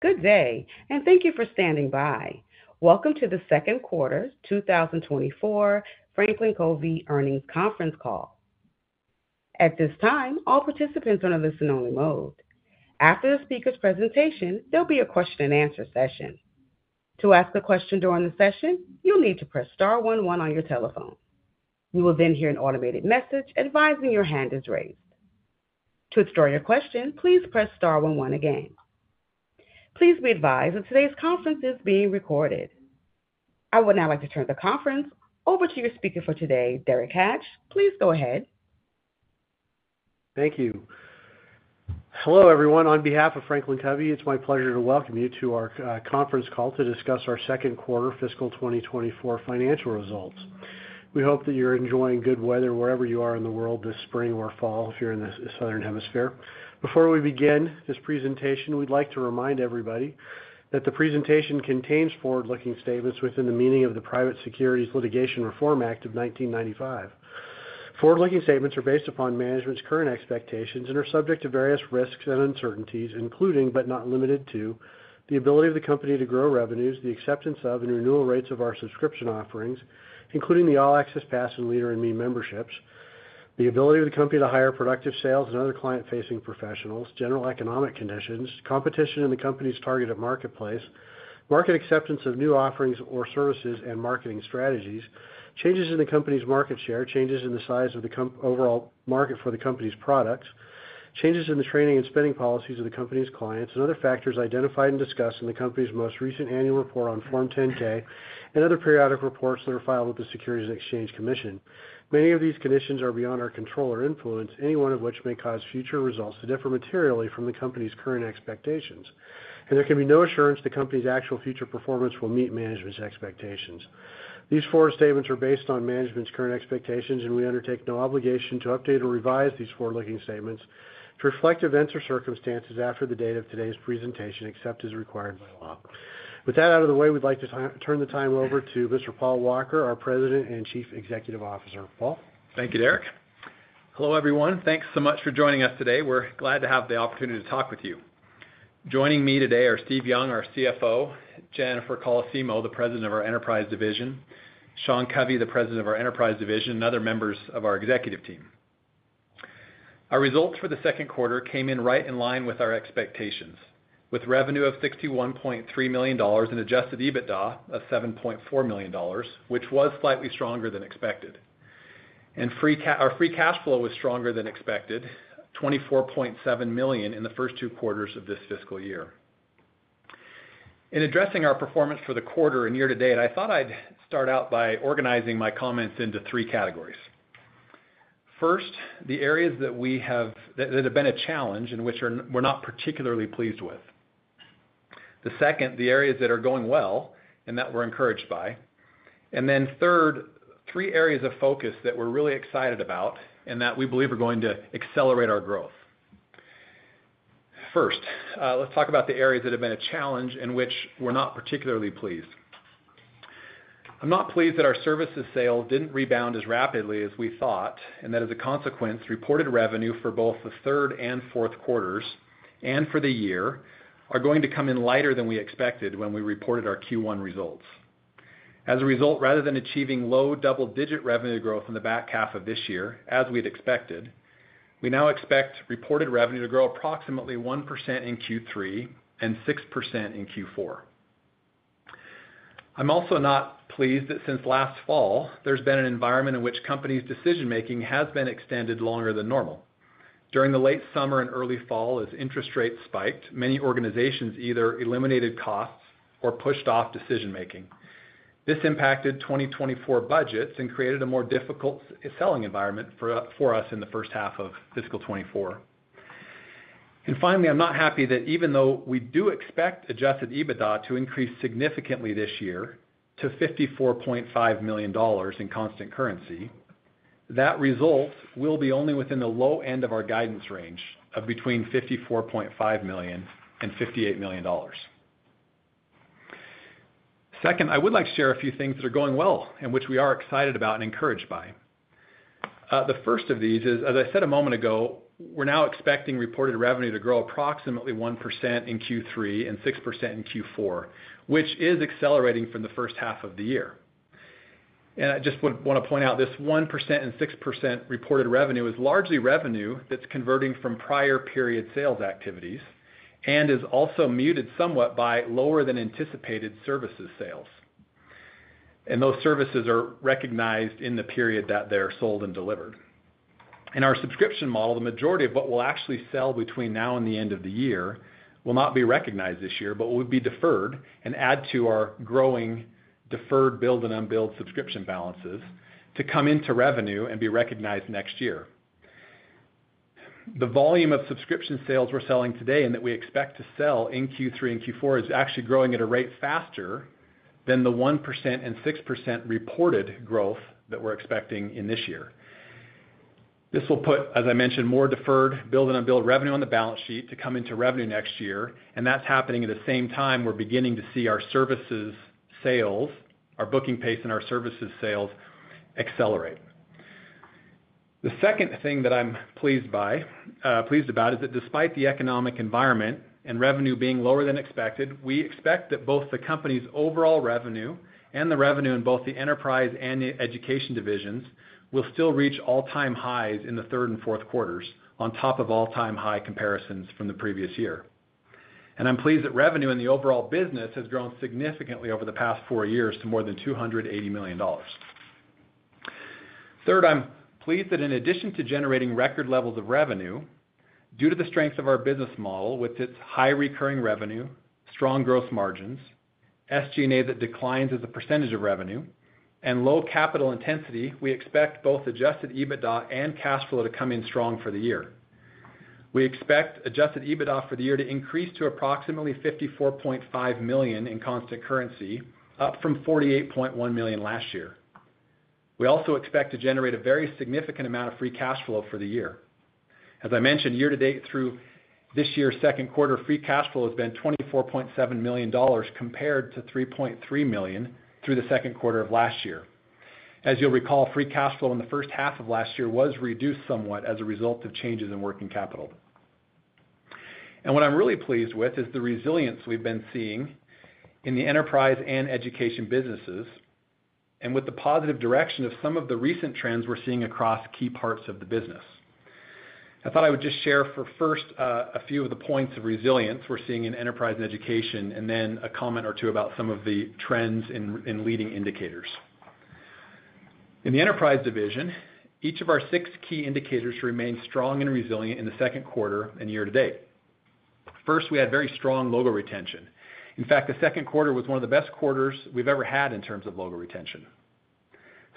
Good day, and thank you for standing by. Welcome to the Second Quarter, 2024 FranklinCovey Earnings Conference Call. At this time, all participants are in a listen-only mode. After the speaker's presentation, there'll be a question-and-answer session. To ask a question during the session, you'll need to press star one one on your telephone. You will then hear an automated message advising your hand is raised. To explore your question, please press star one one again. Please be advised that today's conference is being recorded. I would now like to turn the conference over to your speaker for today, Derek Hatch. Please go ahead. Thank you. Hello, everyone. On behalf of FranklinCovey, it's my pleasure to welcome you to our conference call to discuss our second quarter fiscal 2024 financial results. We hope that you're enjoying good weather wherever you are in the world this spring or fall, if you're in the southern hemisphere. Before we begin this presentation, we'd like to remind everybody that the presentation contains forward-looking statements within the meaning of the Private Securities Litigation Reform Act of 1995. Forward-looking statements are based upon management's current expectations and are subject to various risks and uncertainties, including but not limited to: the ability of the company to grow revenues, the acceptance of and renewal rates of our subscription offerings, including the All Access Pass and Leader in Me memberships; the ability of the company to hire productive sales and other client-facing professionals; general economic conditions; competition in the company's targeted marketplace; market acceptance of new offerings or services and marketing strategies; changes in the company's market share; changes in the size of the company's overall market for the company's products; changes in the training and spending policies of the company's clients; and other factors identified and discussed in the company's most recent annual report on Form 10-K and other periodic reports that are filed with the Securities and Exchange Commission. Many of these conditions are beyond our control or influence, any one of which may cause future results to differ materially from the company's current expectations, and there can be no assurance the company's actual future performance will meet management's expectations. These forward statements are based on management's current expectations, and we undertake no obligation to update or revise these forward-looking statements to reflect events or circumstances after the date of today's presentation, except as required by law. With that out of the way, we'd like to turn the time over to Mr. Paul Walker, our President and Chief Executive Officer. Paul? Thank you, Derek. Hello, everyone. Thanks so much for joining us today. We're glad to have the opportunity to talk with you. Joining me today are Steve Young, our CFO; Jennifer Colosimo, the President of our Enterprise Division; Sean Covey, the President of our Enterprise Division; and other members of our executive team. Our results for the second quarter came in right in line with our expectations, with revenue of $61.3 million and adjusted EBITDA of $7.4 million, which was slightly stronger than expected. Our free cash flow was stronger than expected, $24.7 million, in the first two quarters of this fiscal year. In addressing our performance for the quarter and year to date, I thought I'd start out by organizing my comments into three categories. First, the areas that we have that have been a challenge and which we're not particularly pleased with. The second, the areas that are going well and that we're encouraged by. Then third, three areas of focus that we're really excited about and that we believe are going to accelerate our growth. First, let's talk about the areas that have been a challenge and which we're not particularly pleased. I'm not pleased that our services sales didn't rebound as rapidly as we thought, and that, as a consequence, reported revenue for both the third and fourth quarters and for the year are going to come in lighter than we expected when we reported our Q1 results. As a result, rather than achieving low double-digit revenue growth in the back half of this year as we had expected, we now expect reported revenue to grow approximately 1% in Q3 and 6% in Q4. I'm also not pleased that since last fall, there's been an environment in which companies' decision-making has been extended longer than normal. During the late summer and early fall, as interest rates spiked, many organizations either eliminated costs or pushed off decision-making. This impacted 2024 budgets and created a more difficult selling environment for us in the first half of fiscal 2024. And finally, I'm not happy that even though we do expect adjusted EBITDA to increase significantly this year to $54.5 million in constant currency, that result will be only within the low end of our guidance range of between $54.5 million and $58 million. Second, I would like to share a few things that are going well and which we are excited about and encouraged by. The first of these is, as I said a moment ago, we're now expecting reported revenue to grow approximately 1% in Q3 and 6% in Q4, which is accelerating from the first half of the year. I just would wanna point out this 1% and 6% reported revenue is largely revenue that's converting from prior-period sales activities and is also muted somewhat by lower-than-anticipated services sales. Those services are recognized in the period that they're sold and delivered. In our subscription model, the majority of what we'll actually sell between now and the end of the year will not be recognized this year but will be deferred and add to our growing deferred billed-and-unbilled subscription balances to come into revenue and be recognized next year. The volume of subscription sales we're selling today and that we expect to sell in Q3 and Q4 is actually growing at a rate faster than the 1% and 6% reported growth that we're expecting in this year. This will put, as I mentioned, more deferred billed-and-unbilled revenue on the balance sheet to come into revenue next year, and that's happening at the same time we're beginning to see our services sales, our booking pace, and our services sales accelerate. The second thing that I'm pleased about is that despite the economic environment and revenue being lower than expected, we expect that both the company's overall revenue and the revenue in both the Enterprise and Education divisions will still reach all-time highs in the third and fourth quarters on top of all-time high comparisons from the previous year. I'm pleased that revenue and the overall business has grown significantly over the past four years to more than $280 million. Third, I'm pleased that in addition to generating record levels of revenue, due to the strength of our business model with its high recurring revenue, strong gross margins, SG&A that declines as a percentage of revenue, and low capital intensity, we expect both adjusted EBITDA and cash flow to come in strong for the year. We expect adjusted EBITDA for the year to increase to approximately $54.5 million in constant currency, up from $48.1 million last year. We also expect to generate a very significant amount of free cash flow for the year. As I mentioned, year-to-date, through this year's second quarter, free cash flow has been $24.7 million compared to $3.3 million through the second quarter of last year. As you'll recall, free cash flow in the first half of last year was reduced somewhat as a result of changes in working capital. And what I'm really pleased with is the resilience we've been seeing in the Enterprise and Education businesses, and with the positive direction of some of the recent trends we're seeing across key parts of the business. I thought I would just share first, a few of the points of resilience we're seeing in Enterprise and Education and then a comment or two about some of the trends in our leading indicators. In the Enterprise Division, each of our six key indicators remained strong and resilient in the second quarter and year to date. First, we had very strong logo retention. In fact, the second quarter was one of the best quarters we've ever had in terms of logo retention.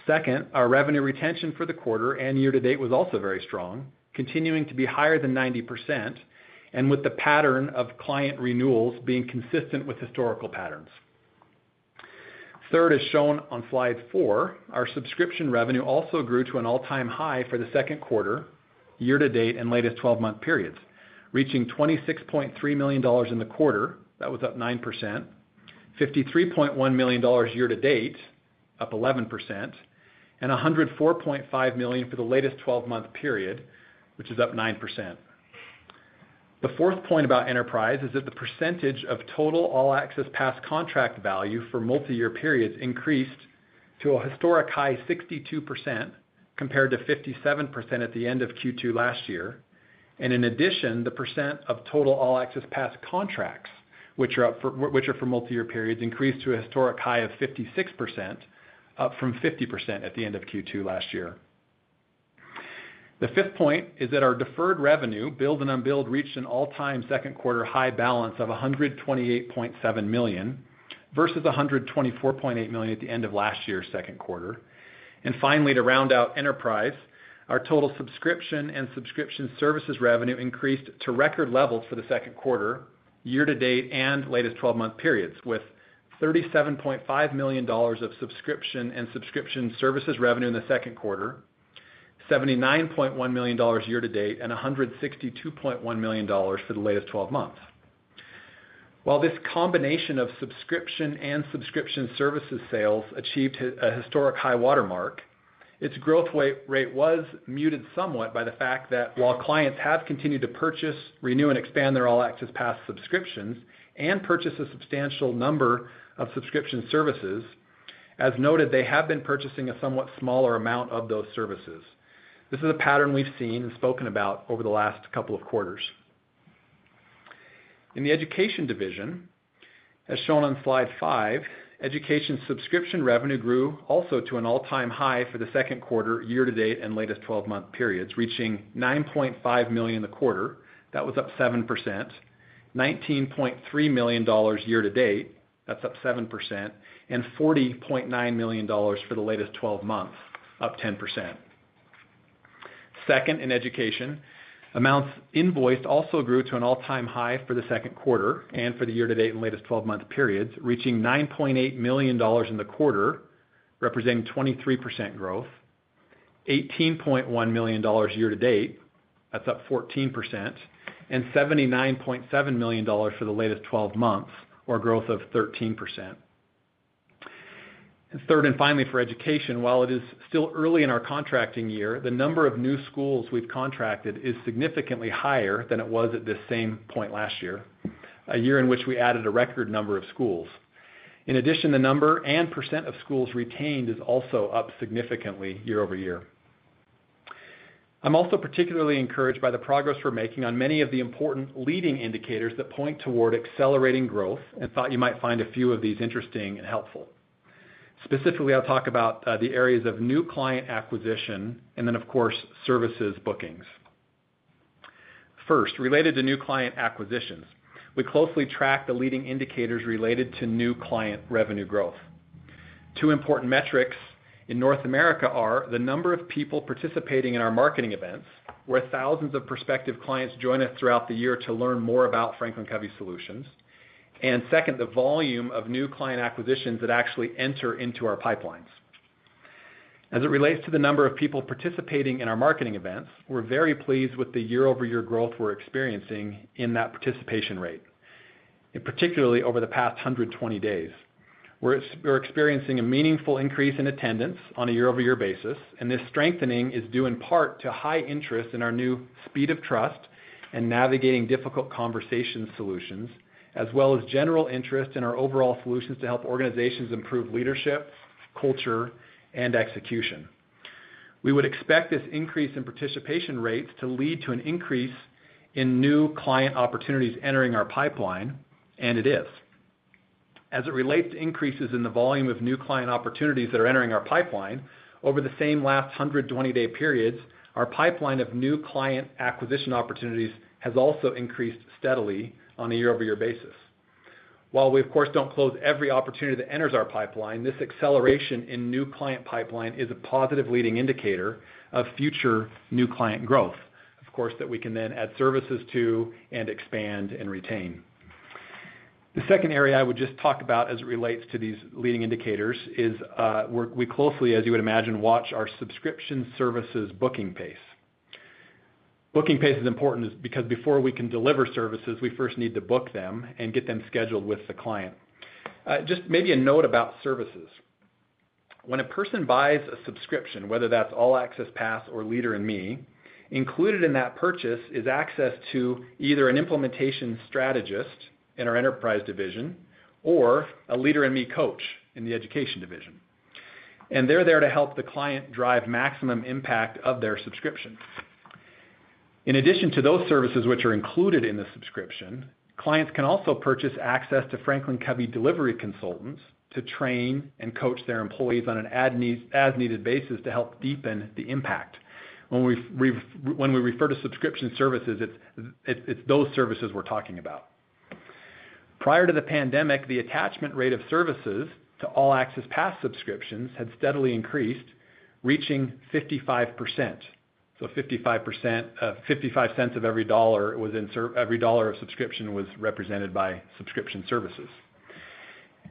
Second, our revenue retention for the quarter and year-to-date was also very strong, continuing to be higher than 90% and with the pattern of client renewals being consistent with historical patterns. Third, as shown on slide four, our subscription revenue also grew to an all-time high for the second quarter, year-to-date, and latest 12-month periods, reaching $26.3 million in the quarter. That was up 9%. $53.1 million year to date, up 11%. And $104.5 million for the latest 12-month period, which is up 9%. The fourth point about Enterprise is that the percentage of total All Access Pass contract value for multi-year periods increased to a historic high of 62% compared to 57% at the end of Q2 last year. In addition, the percent of total All Access Pass contracts, which are for multi-year periods, increased to a historic high of 56%, up from 50% at the end of Q2 last year. The fifth point is that our deferred revenue, billed and unbilled, reached an all-time second-quarter high balance of $128.7 million versus $124.8 million at the end of last year's second quarter. Finally, to round out Enterprise, our total subscription and subscription services revenue increased to record levels for the second quarter, year-to-date, and latest 12-month periods, with $37.5 million of subscription and subscription services revenue in the second quarter, $79.1 million year to date, and $162.1 million for the latest 12 months. While this combination of subscription and subscription services sales achieved a historic high watermark, its growth rate was muted somewhat by the fact that while clients have continued to purchase, renew, and expand their All Access Pass subscriptions and purchase a substantial number of subscription services, as noted, they have been purchasing a somewhat smaller amount of those services. This is a pattern we've seen and spoken about over the last couple of quarters. In the Education division, as shown on slide five, education subscription revenue grew also to an all-time high for the second quarter, year-to-date, and latest 12-month periods, reaching $9.5 million in the quarter. That was up 7%. $19.3 million year-to-date. That's up 7%. And $40.9 million for the latest 12 months, up 10%. Second, in education, amounts invoiced also grew to an all-time high for the second quarter and for the year-to-date and latest 12-month periods, reaching $9.8 million in the quarter, representing 23% growth. $18.1 million year-to-date. That's up 14%. And $79.7 million for the latest 12 months, or a growth of 13%. And third and finally, for education, while it is still early in our contracting year, the number of new schools we've contracted is significantly higher than it was at this same point last year, a year in which we added a record number of schools. In addition, the number and percent of schools retained is also up significantly year-over-year. I'm also particularly encouraged by the progress we're making on many of the important leading indicators that point toward accelerating growth, and thought you might find a few of these interesting and helpful. Specifically, I'll talk about the areas of new client acquisition and then, of course, services bookings. First, related to new client acquisitions, we closely track the leading indicators related to new client revenue growth. Two important metrics in North America are the number of people participating in our marketing events, where thousands of prospective clients join us throughout the year to learn more about FranklinCovey solutions, and second, the volume of new client acquisitions that actually enter into our pipelines. As it relates to the number of people participating in our marketing events, we're very pleased with the year-over-year growth we're experiencing in that participation rate, and particularly over the past 120 days. We're experiencing a meaningful increase in attendance on a year-over-year basis, and this strengthening is due in part to high interest in our new Speed of Trust and Navigating Difficult Conversations solutions, as well as general interest in our overall solutions to help organizations improve leadership, culture, and execution. We would expect this increase in participation rates to lead to an increase in new client opportunities entering our pipeline, and it is. As it relates to increases in the volume of new client opportunities that are entering our pipeline, over the same last 120-day periods, our pipeline of new client acquisition opportunities has also increased steadily on a year-over-year basis. While we, of course, don't close every opportunity that enters our pipeline, this acceleration in new client pipeline is a positive leading indicator of future new client growth, of course, that we can then add services to and expand and retain. The second area I would just talk about as it relates to these leading indicators is, we closely, as you would imagine, watch our subscription services booking pace. Booking pace is important because before we can deliver services, we first need to book them and get them scheduled with the client. Just maybe a note about services. When a person buys a subscription, whether that's All Access Pass or Leader in Me, included in that purchase is access to either an implementation strategist in our Enterprise Division or a Leader in Me coach in the Education Division. They're there to help the client drive maximum impact of their subscription. In addition to those services which are included in the subscription, clients can also purchase access to FranklinCovey delivery consultants to train and coach their employees on an as-needed basis to help deepen the impact. When we refer to subscription services, it's those services we're talking about. Prior to the pandemic, the attachment rate of services to All Access Pass subscriptions had steadily increased, reaching 55%. So $0.55 of every $1 was in services. Every dollar of subscription was represented by subscription services.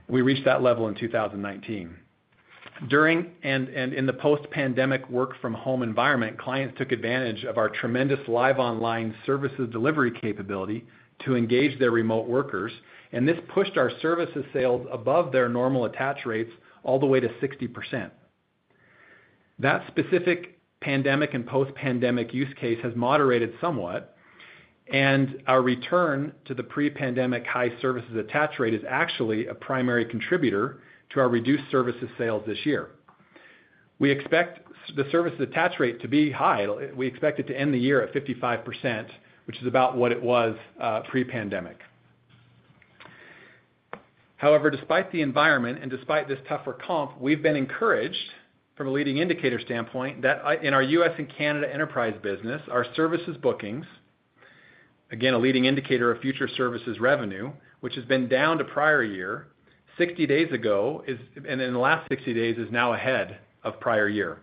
We reached that level in 2019. During and in the post-pandemic work-from-home environment, clients took advantage of our tremendous live online services delivery capability to engage their remote workers, and this pushed our services sales above their normal attach rates all the way to 60%. That specific pandemic and post-pandemic use case has moderated somewhat, and our return to the pre-pandemic high services attach rate is actually a primary contributor to our reduced services sales this year. We expect the services attach rate to be high. It'll we expect it to end the year at 55%, which is about what it was, pre-pandemic. However, despite the environment and despite this tougher comp, we've been encouraged, from a leading indicator standpoint, that in our U.S. and Canada Enterprise business, our services bookings again, a leading indicator of future services revenue, which has been down to prior year 60 days ago, is, and in the last 60 days, is now ahead of prior year.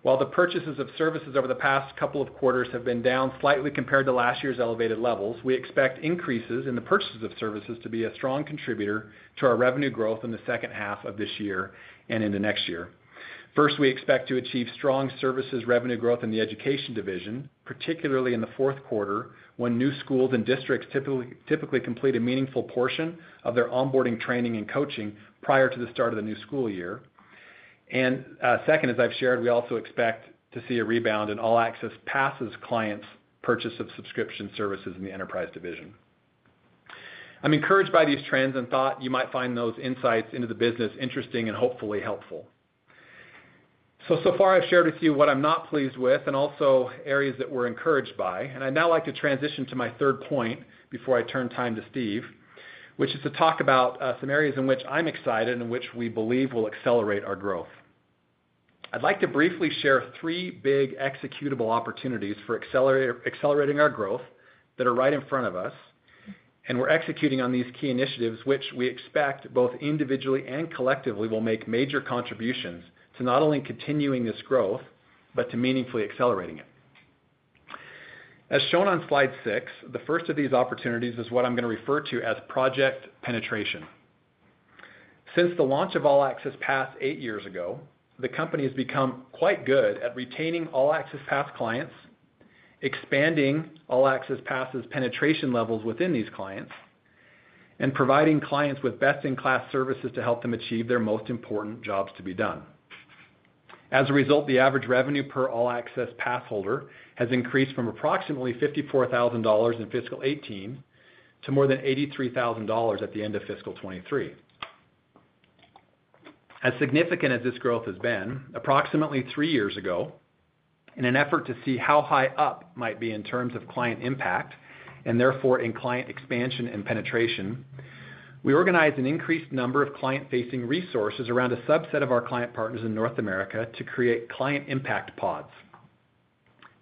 While the purchases of services over the past couple of quarters have been down slightly compared to last year's elevated levels, we expect increases in the purchases of services to be a strong contributor to our revenue growth in the second half of this year and into next year. First, we expect to achieve strong services revenue growth in the Education Division, particularly in the fourth quarter, when new schools and districts typically complete a meaningful portion of their onboarding training and coaching prior to the start of the new school year. Second, as I've shared, we also expect to see a rebound in All Access Passes clients' purchase of subscription services in the Enterprise Division. I'm encouraged by these trends and thought you might find those insights into the business interesting and hopefully helpful. So far, I've shared with you what I'm not pleased with and also areas that we're encouraged by. I'd now like to transition to my third point before I turn time to Steve, which is to talk about some areas in which I'm excited and which we believe will accelerate our growth. I'd like to briefly share three big executable opportunities for accelerate accelerating our growth that are right in front of us, and we're executing on these key initiatives which we expect both individually and collectively will make major contributions to not only continuing this growth but to meaningfully accelerating it. As shown on slide six, the first of these opportunities is what I'm gonna refer to as project penetration. Since the launch of All Access Pass eight years ago, the company has become quite good at retaining All Access Pass clients, expanding All Access Passes' penetration levels within these clients, and providing clients with best-in-class services to help them achieve their most important jobs to be done. As a result, the average revenue per All Access Pass holder has increased from approximately $54,000 in fiscal 2018 to more than $83,000 at the end of fiscal 2023. As significant as this growth has been, approximately three years ago, in an effort to see how high up might be in terms of client impact and therefore in client expansion and penetration, we organized an increased number of client-facing resources around a subset of our client partners in North America to create client Impact Pods.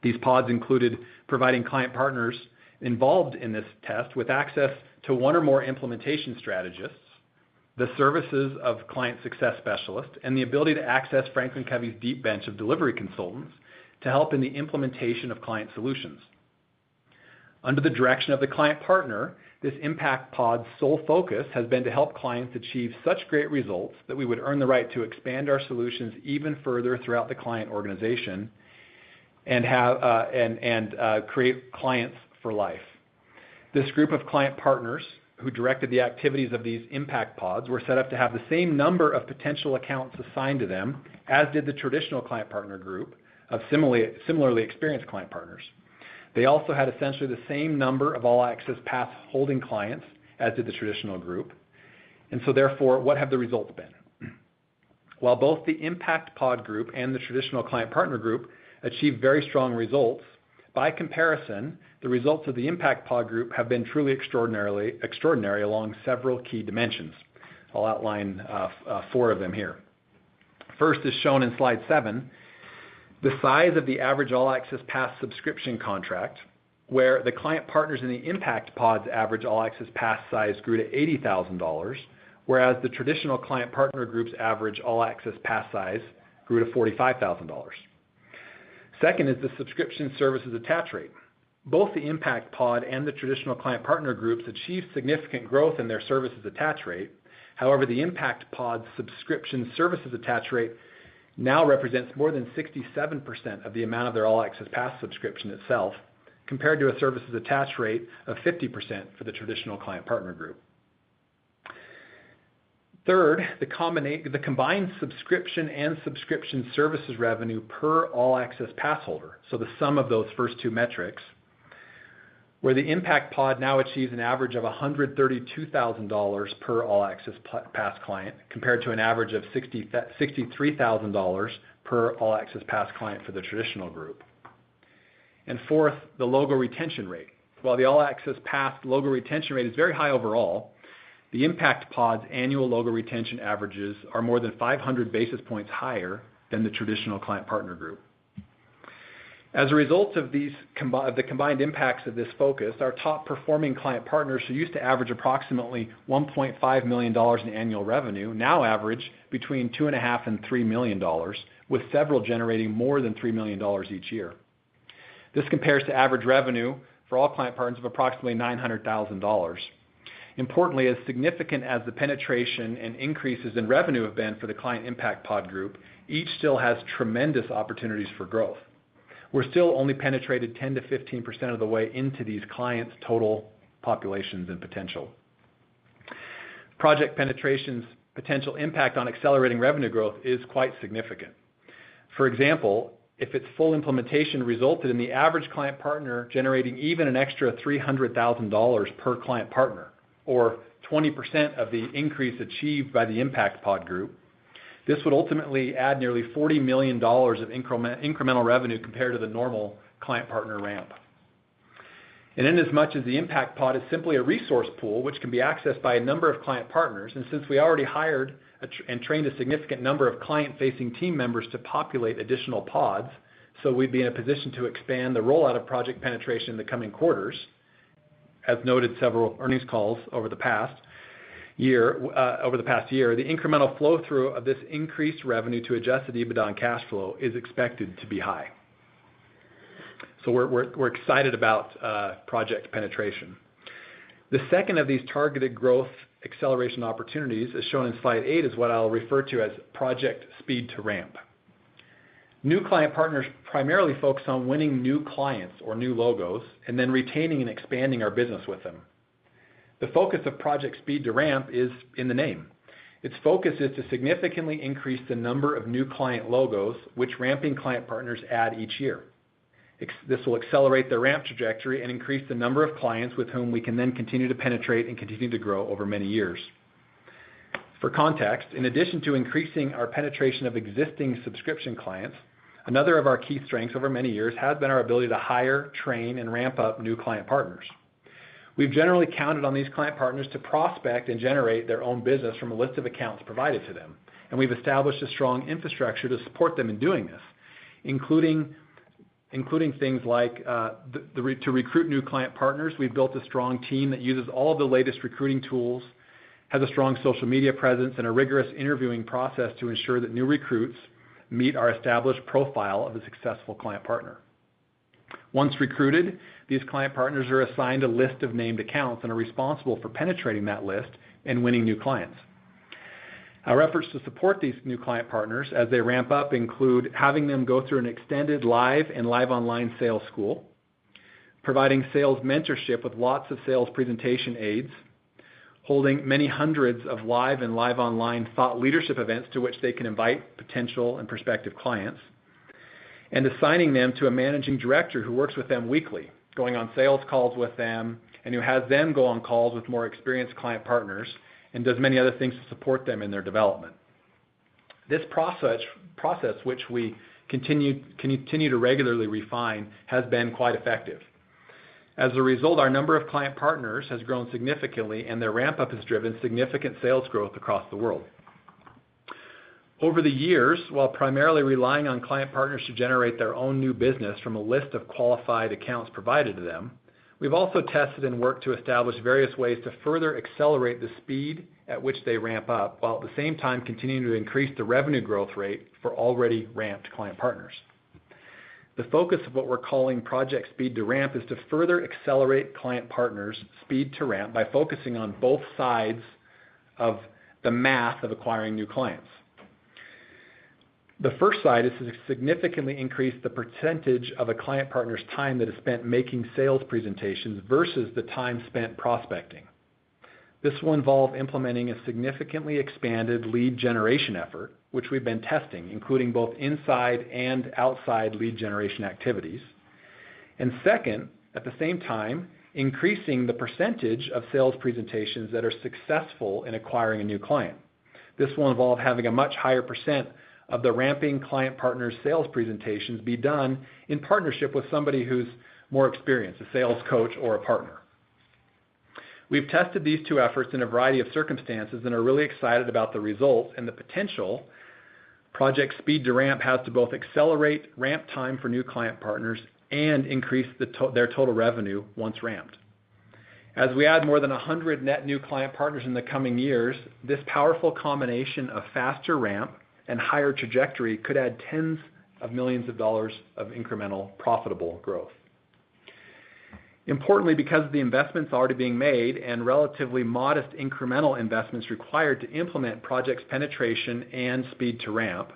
These pods included providing client partners involved in this test with access to one or more implementation strategists, the services of client success specialists, and the ability to access FranklinCovey's deep bench of delivery consultants to help in the implementation of client solutions. Under the direction of the client partner, this Impact Pod's sole focus has been to help clients achieve such great results that we would earn the right to expand our solutions even further throughout the client organization and have and create clients for life. This group of client partners who directed the activities of these Impact Pods were set up to have the same number of potential accounts assigned to them as did the traditional client partner group of similarly similarly experienced client partners. They also had essentially the same number of All Access Pass holding clients as did the traditional group. And so, therefore, what have the results been? While both the Impact Pod group and the traditional client partner group achieved very strong results, by comparison, the results of the Impact Pod group have been truly extraordinarily extraordinary along several key dimensions. I'll outline four of them here. First is shown in slide seven, the size of the average All Access Pass subscription contract, where the client partners in the Impact Pod's average All Access Pass size grew to $80,000, whereas the traditional Client Partner group's average All Access Pass size grew to $45,000. Second is the Subscription Services attach rate. Both the Impact Pod and the traditional Client Partner groups achieved significant growth in their services attach rate. However, the Impact Pod's Subscription Services attach rate now represents more than 67% of the amount of their All Access Pass subscription itself compared to a services attach rate of 50% for the traditional Client Partner group. Third, the combined subscription and subscription services revenue per All Access Pass holder, so the sum of those first two metrics, where the Impact Pod now achieves an average of $132,000 per All Access Pass client compared to an average of $60,000-$63,000 per All Access Pass client for the traditional group. Fourth, the logo retention rate. While the All Access Pass logo retention rate is very high overall, the Impact Pod's annual logo retention averages are more than 500 basis points higher than the traditional Client Partner group. As a result of these combination of the combined impacts of this focus, our top-performing client partners who used to average approximately $1.5 million in annual revenue now average between $2.5 million-$3 million, with several generating more than $3 million each year. This compares to average revenue for all client partners of approximately $900,000. Importantly, as significant as the penetration and increases in revenue have been for the Client Impact Pod group, each still has tremendous opportunities for growth. We're still only penetrated 10%-15% of the way into these clients' total populations and potential. Project Penetration's potential impact on accelerating revenue growth is quite significant. For example, if its full implementation resulted in the average Client Partner generating even an extra $300,000 per Client Partner or 20% of the increase achieved by the Impact Pod group, this would ultimately add nearly $40 million of incremental incremental revenue compared to the normal Client Partner ramp. Inasmuch as the Impact Pod is simply a resource pool which can be accessed by a number of client partners, and since we already hired and trained a significant number of client-facing team members to populate additional pods, so we'd be in a position to expand the rollout of Project Penetration in the coming quarters as noted several earnings calls over the past year, the incremental flow-through of this increased revenue to adjusted EBITDA and cash flow is expected to be high. So we're excited about Project Penetration. The second of these targeted growth acceleration opportunities, as shown in slide eight, is what I'll refer to as Project Speed to Ramp. New client partners primarily focus on winning new clients or new logos and then retaining and expanding our business with them. The focus of Project Speed to Ramp is in the name. Its focus is to significantly increase the number of new client logos which ramping client partners add each year. e.g., this will accelerate their ramp trajectory and increase the number of clients with whom we can then continue to penetrate and continue to grow over many years. For context, in addition to increasing our penetration of existing subscription clients, another of our key strengths over many years has been our ability to hire, train, and ramp up new client partners. We've generally counted on these client partners to prospect and generate their own business from a list of accounts provided to them, and we've established a strong infrastructure to support them in doing this, including things like, to recruit new client partners, we've built a strong team that uses all of the latest recruiting tools, has a strong social media presence, and a rigorous interviewing process to ensure that new recruits meet our established profile of a successful client partner. Once recruited, these client partners are assigned a list of named accounts and are responsible for penetrating that list and winning new clients. Our efforts to support these new client partners as they ramp up include having them go through an extended live and live online sales school, providing sales mentorship with lots of sales presentation aides, holding many hundreds of live and live online thought leadership events to which they can invite potential and prospective clients, and assigning them to a Managing Director who works with them weekly, going on sales calls with them, and who has them go on calls with more experienced client partners and does many other things to support them in their development. This process which we continue to regularly refine has been quite effective. As a result, our number of client partners has grown significantly, and their ramp-up has driven significant sales growth across the world. Over the years, while primarily relying on client partners to generate their own new business from a list of qualified accounts provided to them, we've also tested and worked to establish various ways to further accelerate the speed at which they ramp up while at the same time continuing to increase the revenue growth rate for already ramped client partners. The focus of what we're calling Project Speed to Ramp is to further accelerate client partners' speed to ramp by focusing on both sides of the math of acquiring new clients. The first side is to significantly increase the percentage of a Client Partner's time that is spent making sales presentations versus the time spent prospecting. This will involve implementing a significantly expanded lead generation effort, which we've been testing, including both inside and outside lead generation activities. And second, at the same time, increasing the percentage of sales presentations that are successful in acquiring a new client. This will involve having a much higher percent of the ramping Client Partner's sales presentations be done in partnership with somebody who's more experienced, a sales coach or a partner. We've tested these two efforts in a variety of circumstances and are really excited about the results and the potential Project Speed to Ramp has to both accelerate ramp time for new client partners and increase their total revenue once ramped. As we add more than 100 net new client partners in the coming years, this powerful combination of faster ramp and higher trajectory could add $ tens of millions of incremental profitable growth. Importantly, because of the investments already being made and relatively modest incremental investments required to implement Project Penetration and Speed to Ramp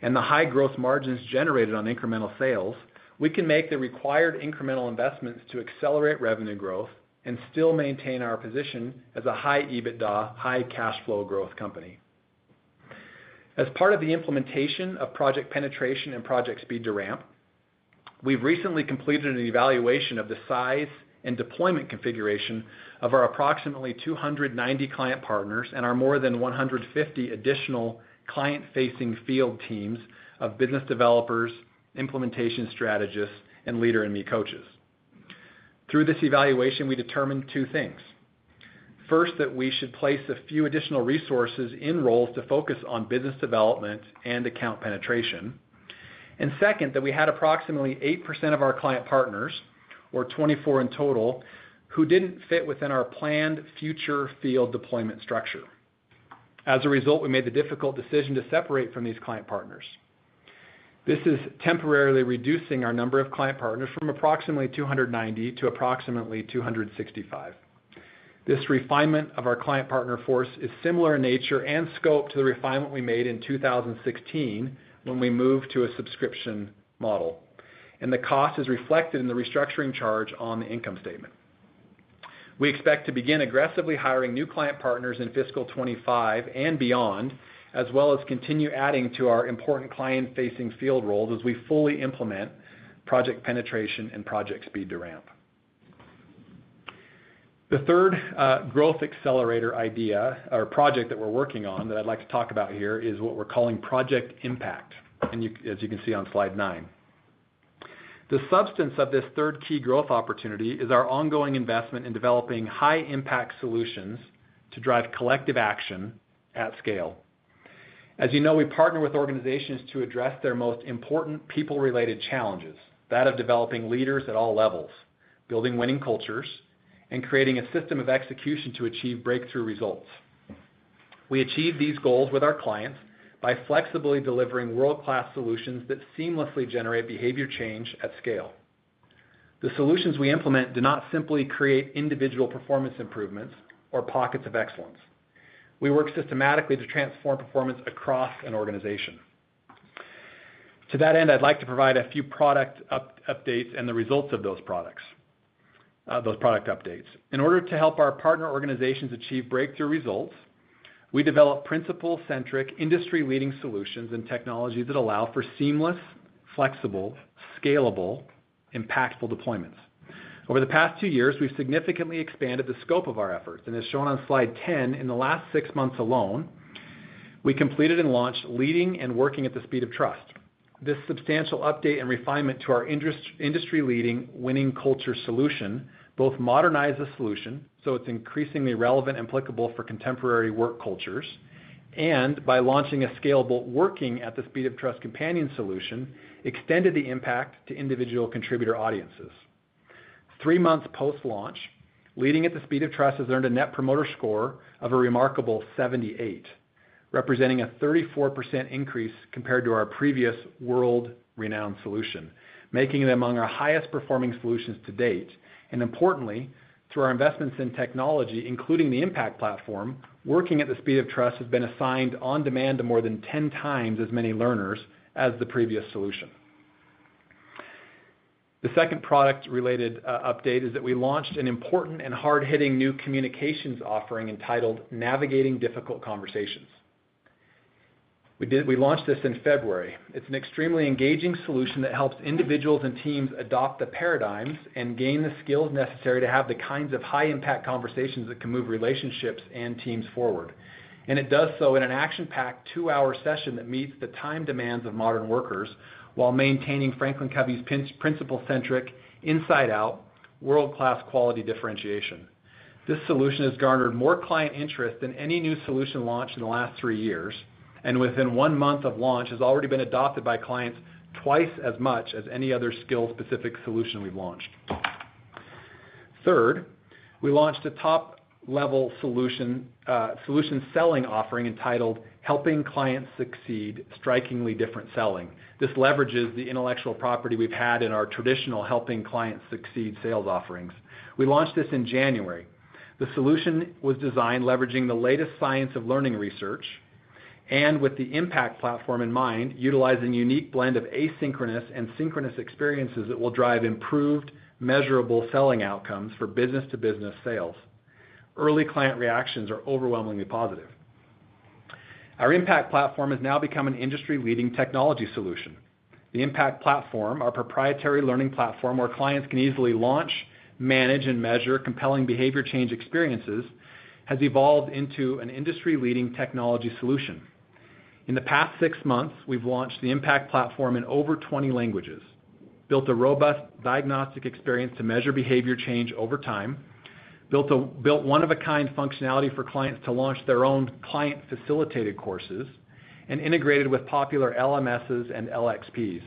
and the high growth margins generated on incremental sales, we can make the required incremental investments to accelerate revenue growth and still maintain our position as a high EBITDA, high cash flow growth company. As part of the implementation of Project Penetration and Project Speed to Ramp, we've recently completed an evaluation of the size and deployment configuration of our approximately 290 client partners and our more than 150 additional client-facing field teams of business developers, implementation strategists, and Leader in Me coaches. Through this evaluation, we determined two things. First, that we should place a few additional resources in roles to focus on business development and account penetration. Second, that we had approximately 8% of our client partners or 24 in total who didn't fit within our planned future field deployment structure. As a result, we made the difficult decision to separate from these client partners. This is temporarily reducing our number of client partners from approximately 290 to approximately 265. This refinement of our client partner force is similar in nature and scope to the refinement we made in 2016 when we moved to a subscription model, and the cost is reflected in the restructuring charge on the income statement. We expect to begin aggressively hiring new client partners in fiscal 2025 and beyond, as well as continue adding to our important client-facing field roles as we fully implement Project Penetration and Project Speed to Ramp. The third growth accelerator idea or project that we're working on that I'd like to talk about here is what we're calling Project Impact, and, as you can see on slide nine. The substance of this third key growth opportunity is our ongoing investment in developing high-impact solutions to drive collective action at scale. As you know, we partner with organizations to address their most important people-related challenges, that of developing leaders at all levels, building winning cultures, and creating a system of execution to achieve breakthrough results. We achieve these goals with our clients by flexibly delivering world-class solutions that seamlessly generate behavior change at scale. The solutions we implement do not simply create individual performance improvements or pockets of excellence. We work systematically to transform performance across an organization. To that end, I'd like to provide a few product updates and the results of those product updates. In order to help our partner organizations achieve breakthrough results, we develop principle-centric, industry-leading solutions and technologies that allow for seamless, flexible, scalable, impactful deployments. Over the past two years, we've significantly expanded the scope of our efforts, and as shown on slide 10, in the last six months alone, we completed and launched Leading and Working at the Speed of Trust. This substantial update and refinement to our industry-leading winning culture solution both modernized the solution so it's increasingly relevant and applicable for contemporary work cultures and, by launching a scalable Working at the Speed of Trust companion solution, extended the impact to individual contributor audiences. Three months post-launch, Leading at the Speed of Trust has earned a Net Promoter Score of a remarkable 78, representing a 34% increase compared to our previous world-renowned solution, making it among our highest-performing solutions to date. Importantly, through our investments in technology, including the Impact Platform, Working at the Speed of Trust has been assigned on demand to more than 10x as many learners as the previous solution. The second product-related update is that we launched an important and hard-hitting new communications offering entitled Navigating Difficult Conversations. We launched this in February. It's an extremely engaging solution that helps individuals and teams adopt the paradigms and gain the skills necessary to have the kinds of high-impact conversations that can move relationships and teams forward. It does so in an action-packed, two-hour session that meets the time demands of modern workers while maintaining FranklinCovey's principle-centric, inside-out, world-class quality differentiation. This solution has garnered more client interest than any new solution launched in the last three years, and within one month of launch, has already been adopted by clients twice as much as any other skill-specific solution we've launched. Third, we launched a top-level solution-selling offering entitled Helping Clients Succeed: Strikingly Different Selling. This leverages the intellectual property we've had in our traditional Helping Clients Succeed sales offerings. We launched this in January. The solution was designed leveraging the latest science of learning research and, with the Impact Platform in mind, utilizing a unique blend of asynchronous and synchronous experiences that will drive improved, measurable selling outcomes for business-to-business sales. Early client reactions are overwhelmingly positive. Our Impact Platform has now become an industry-leading technology solution. The Impact Platform, our proprietary learning platform where clients can easily launch, manage, and measure compelling behavior change experiences, has evolved into an industry-leading technology solution. In the past 6 months, we've launched the Impact Platform in over 20 languages, built a robust diagnostic experience to measure behavior change over time, built a one-of-a-kind functionality for clients to launch their own client-facilitated courses, and integrated with popular LMSs and LXPs.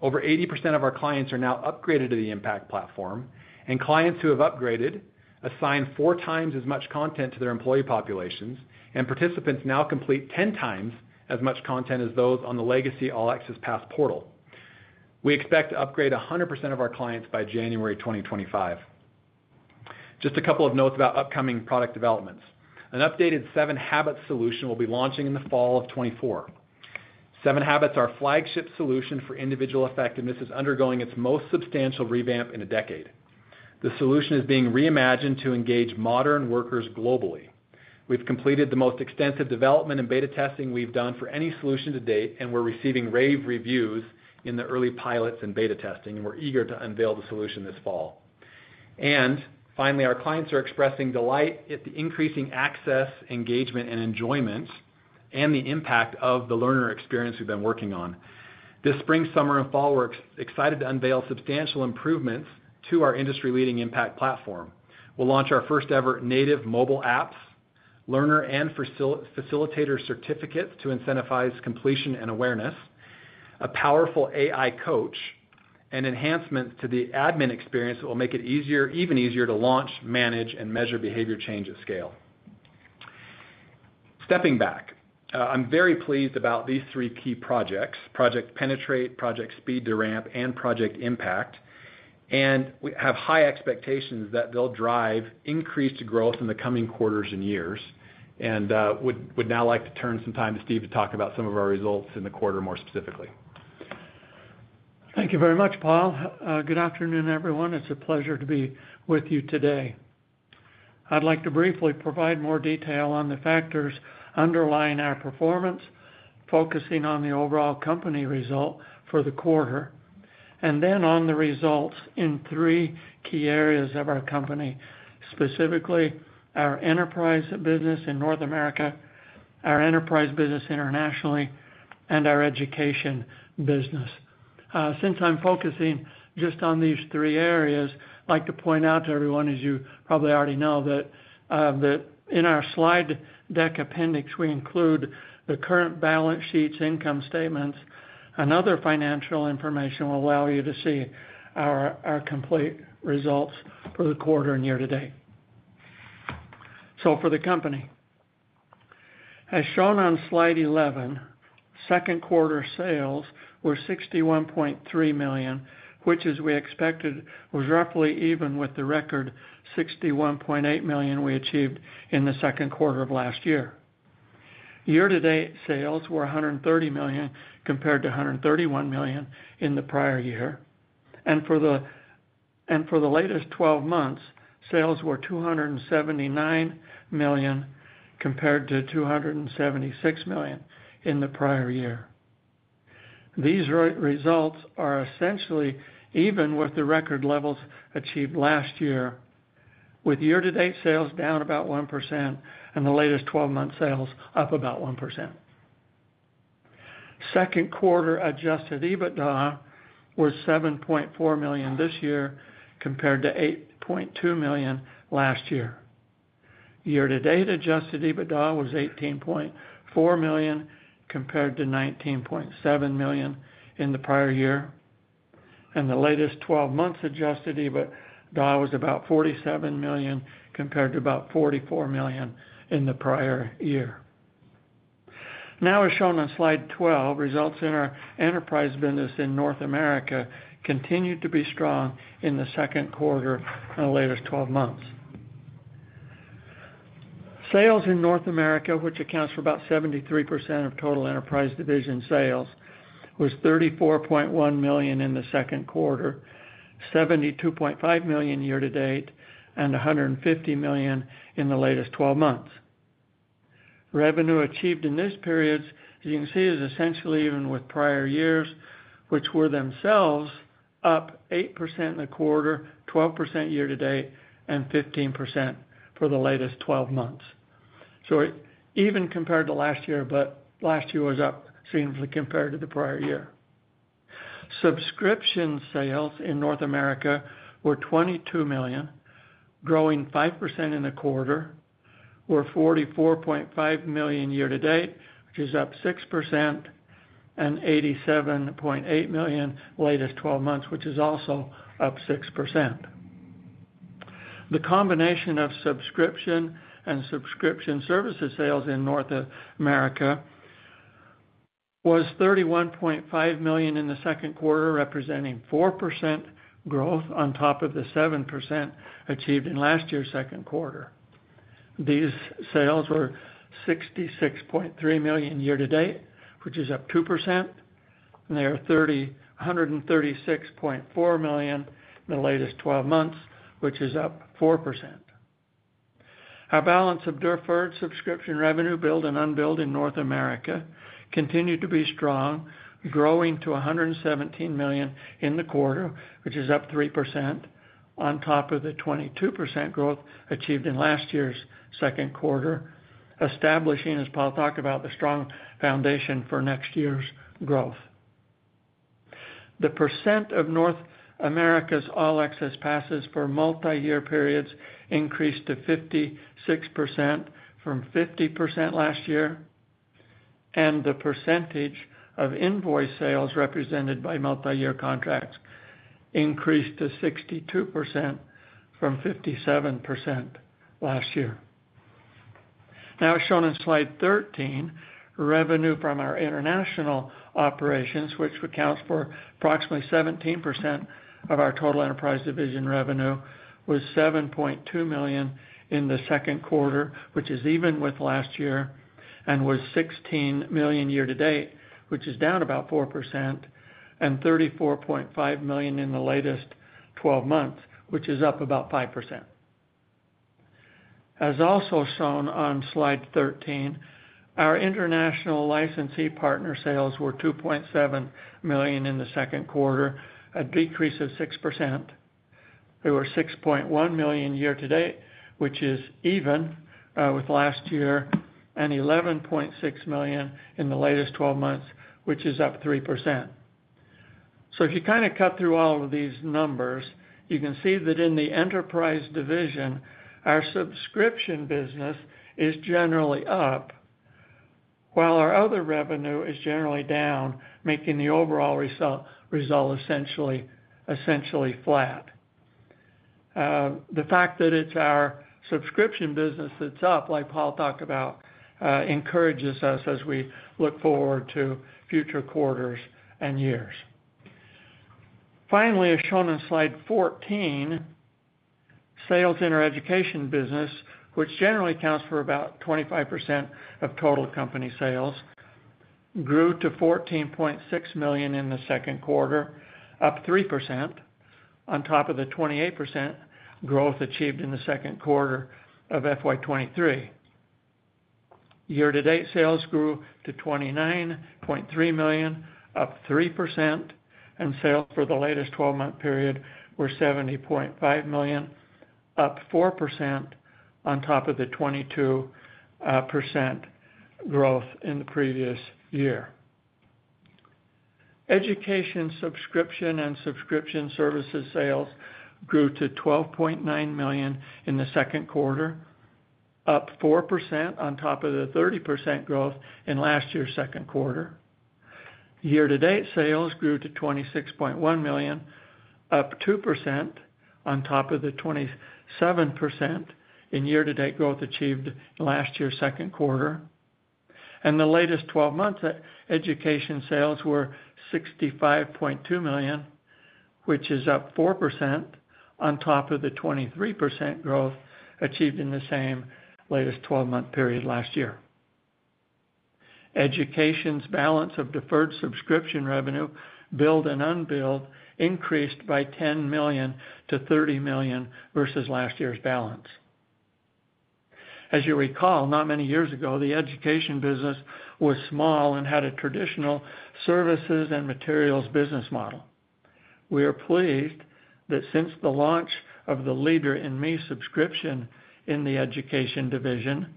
Over 80% of our clients are now upgraded to the Impact Platform, and clients who have upgraded assign 4x as much content to their employee populations, and participants now complete 10x as much content as those on the legacy All Access Pass portal. We expect to upgrade 100% of our clients by January 2025. Just a couple of notes about upcoming product developments. An updated 7 Habits solution will be launching in the fall of 2024. Habits are a flagship solution for individual effectiveness that's undergoing its most substantial revamp in a decade. The solution is being reimagined to engage modern workers globally. We've completed the most extensive development and beta testing we've done for any solution to date, and we're receiving rave reviews in the early pilots and beta testing, and we're eager to unveil the solution this fall. Finally, our clients are expressing delight at the increasing access, engagement, and enjoyment and the impact of the learner experience we've been working on. This spring, summer, and fall, we're excited to unveil substantial improvements to our industry-leading Impact Platform. We'll launch our first-ever native mobile apps, learner and facilitator certificates to incentivize completion and awareness, a powerful AI coach, and enhancements to the admin experience that will make it even easier to launch, manage, and measure behavior change at scale. Stepping back, I'm very pleased about these three key projects: Project Penetration, Project Speed to Ramp, and Project Impact. We have high expectations that they'll drive increased growth in the coming quarters and years. I would now like to turn some time to Steve to talk about some of our results in the quarter more specifically. Thank you very much, Paul. Good afternoon, everyone. It's a pleasure to be with you today. I'd like to briefly provide more detail on the factors underlying our performance, focusing on the overall company result for the quarter, and then on the results in three key areas of our company, specifically our enterprise business in North America, our enterprise business internationally, and our education business. Since I'm focusing just on these three areas, I'd like to point out to everyone, as you probably already know, that in our slide deck appendix, we include the current balance sheets, income statements, and other financial information that will allow you to see our complete results for the quarter and year to date. So for the company, as shown on slide 11, second-quarter sales were $61.3 million, which is we expected was roughly even with the record $61.8 million we achieved in the second quarter of last year. Year-to-date sales were $130 million compared to $131 million in the prior year. For the latest 12 months, sales were $279 million compared to $276 million in the prior year. These results are essentially even with the record levels achieved last year, with year-to-date sales down about 1% and the latest 12-month sales up about 1%. Second-quarter adjusted EBITDA was $7.4 million this year compared to $8.2 million last year. Year-to-date adjusted EBITDA was $18.4 million compared to $19.7 million in the prior year, and the latest 12-months adjusted EBITDA was about $47 million compared to about $44 million in the prior year. Now, as shown on slide 12, results in our enterprise business in North America continued to be strong in the second quarter and the latest 12 months. Sales in North America, which accounts for about 73% of total Enterprise Division sales, was $34.1 million in the second quarter, $72.5 million year-to-date, and $150 million in the latest 12 months. Revenue achieved in these periods, as you can see, is essentially even with prior years, which were themselves up 8% in the quarter, 12% year-to-date, and 15% for the latest 12 months. So it even compared to last year, but last year was up significantly compared to the prior year. Subscription sales in North America were $22 million, growing 5% in the quarter, were $44.5 million year to date, which is up 6%, and $87.8 million latest 12 months, which is also up 6%. The combination of subscription and subscription services sales in North America was $31.5 million in the second quarter, representing 4% growth on top of the 7% achieved in last year's second quarter. These sales were $66.3 million year to date, which is up 2%, and they are $301.4 million in the latest 12 months, which is up 4%. Our balance of deferred subscription revenue, billed and unbilled, in North America continued to be strong, growing to $117 million in the quarter, which is up 3% on top of the 22% growth achieved in last year's second quarter, establishing, as Paul talked about, the strong foundation for next year's growth. The percent of North America’s All Access Passes for multi-year periods increased to 56% from 50% last year, and the percentage of invoice sales represented by multi-year contracts increased to 62% from 57% last year. Now, as shown on slide 13, revenue from our international operations, which accounts for approximately 17% of our total enterprise division revenue, was $7.2 million in the second quarter, which is even with last year, and was $16 million year to date, which is down about 4%, and $34.5 million in the latest 12 months, which is up about 5%. As also shown on slide 13, our international licensee partner sales were $2.7 million in the second quarter, a decrease of 6%. They were $6.1 million year-to-date, which is even with last year, and $11.6 million in the latest 12 months, which is up 3%. So if you kind of cut through all of these numbers, you can see that in the enterprise division, our subscription business is generally up while our other revenue is generally down, making the overall result essentially flat. The fact that it's our subscription business that's up, like Paul talked about, encourages us as we look forward to future quarters and years. Finally, as shown on slide 14, sales in our education business, which generally accounts for about 25% of total company sales, grew to $14.6 million in the second quarter, up 3% on top of the 28% growth achieved in the second quarter of FY 2023. Year-to-date sales grew to $29.3 million, up 3%, and sales for the latest 12-month period were $70.5 million, up 4% on top of the 22% growth in the previous year. Education subscription and subscription services sales grew to $12.9 million in the second quarter, up 4% on top of the 30% growth in last year's second quarter. Year-to-date sales grew to $26.1 million, up 2% on top of the 27% in year-to-date growth achieved last year's second quarter. The latest 12 months Education sales were $65.2 million, which is up 4% on top of the 23% growth achieved in the same latest 12-month period last year. Education's balance of deferred subscription revenue, billed and unbilled, increased by $10 million-$30 million versus last year's balance. As you recall, not many years ago, the education business was small and had a traditional services and materials business model. We are pleased that since the launch of the Leader in Me subscription in the education division,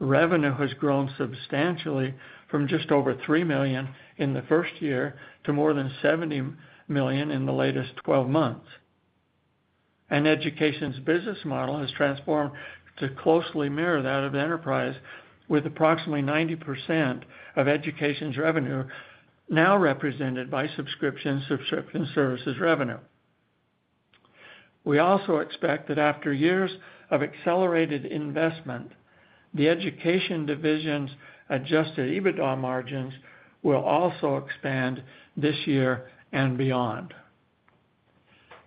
revenue has grown substantially from just over $3 million in the first year to more than $70 million in the latest 12 months. And education's business model has transformed to closely mirror that of enterprise, with approximately 90% of education's revenue now represented by subscription services revenue. We also expect that after years of accelerated investment, the education division's adjusted EBITDA margins will also expand this year and beyond.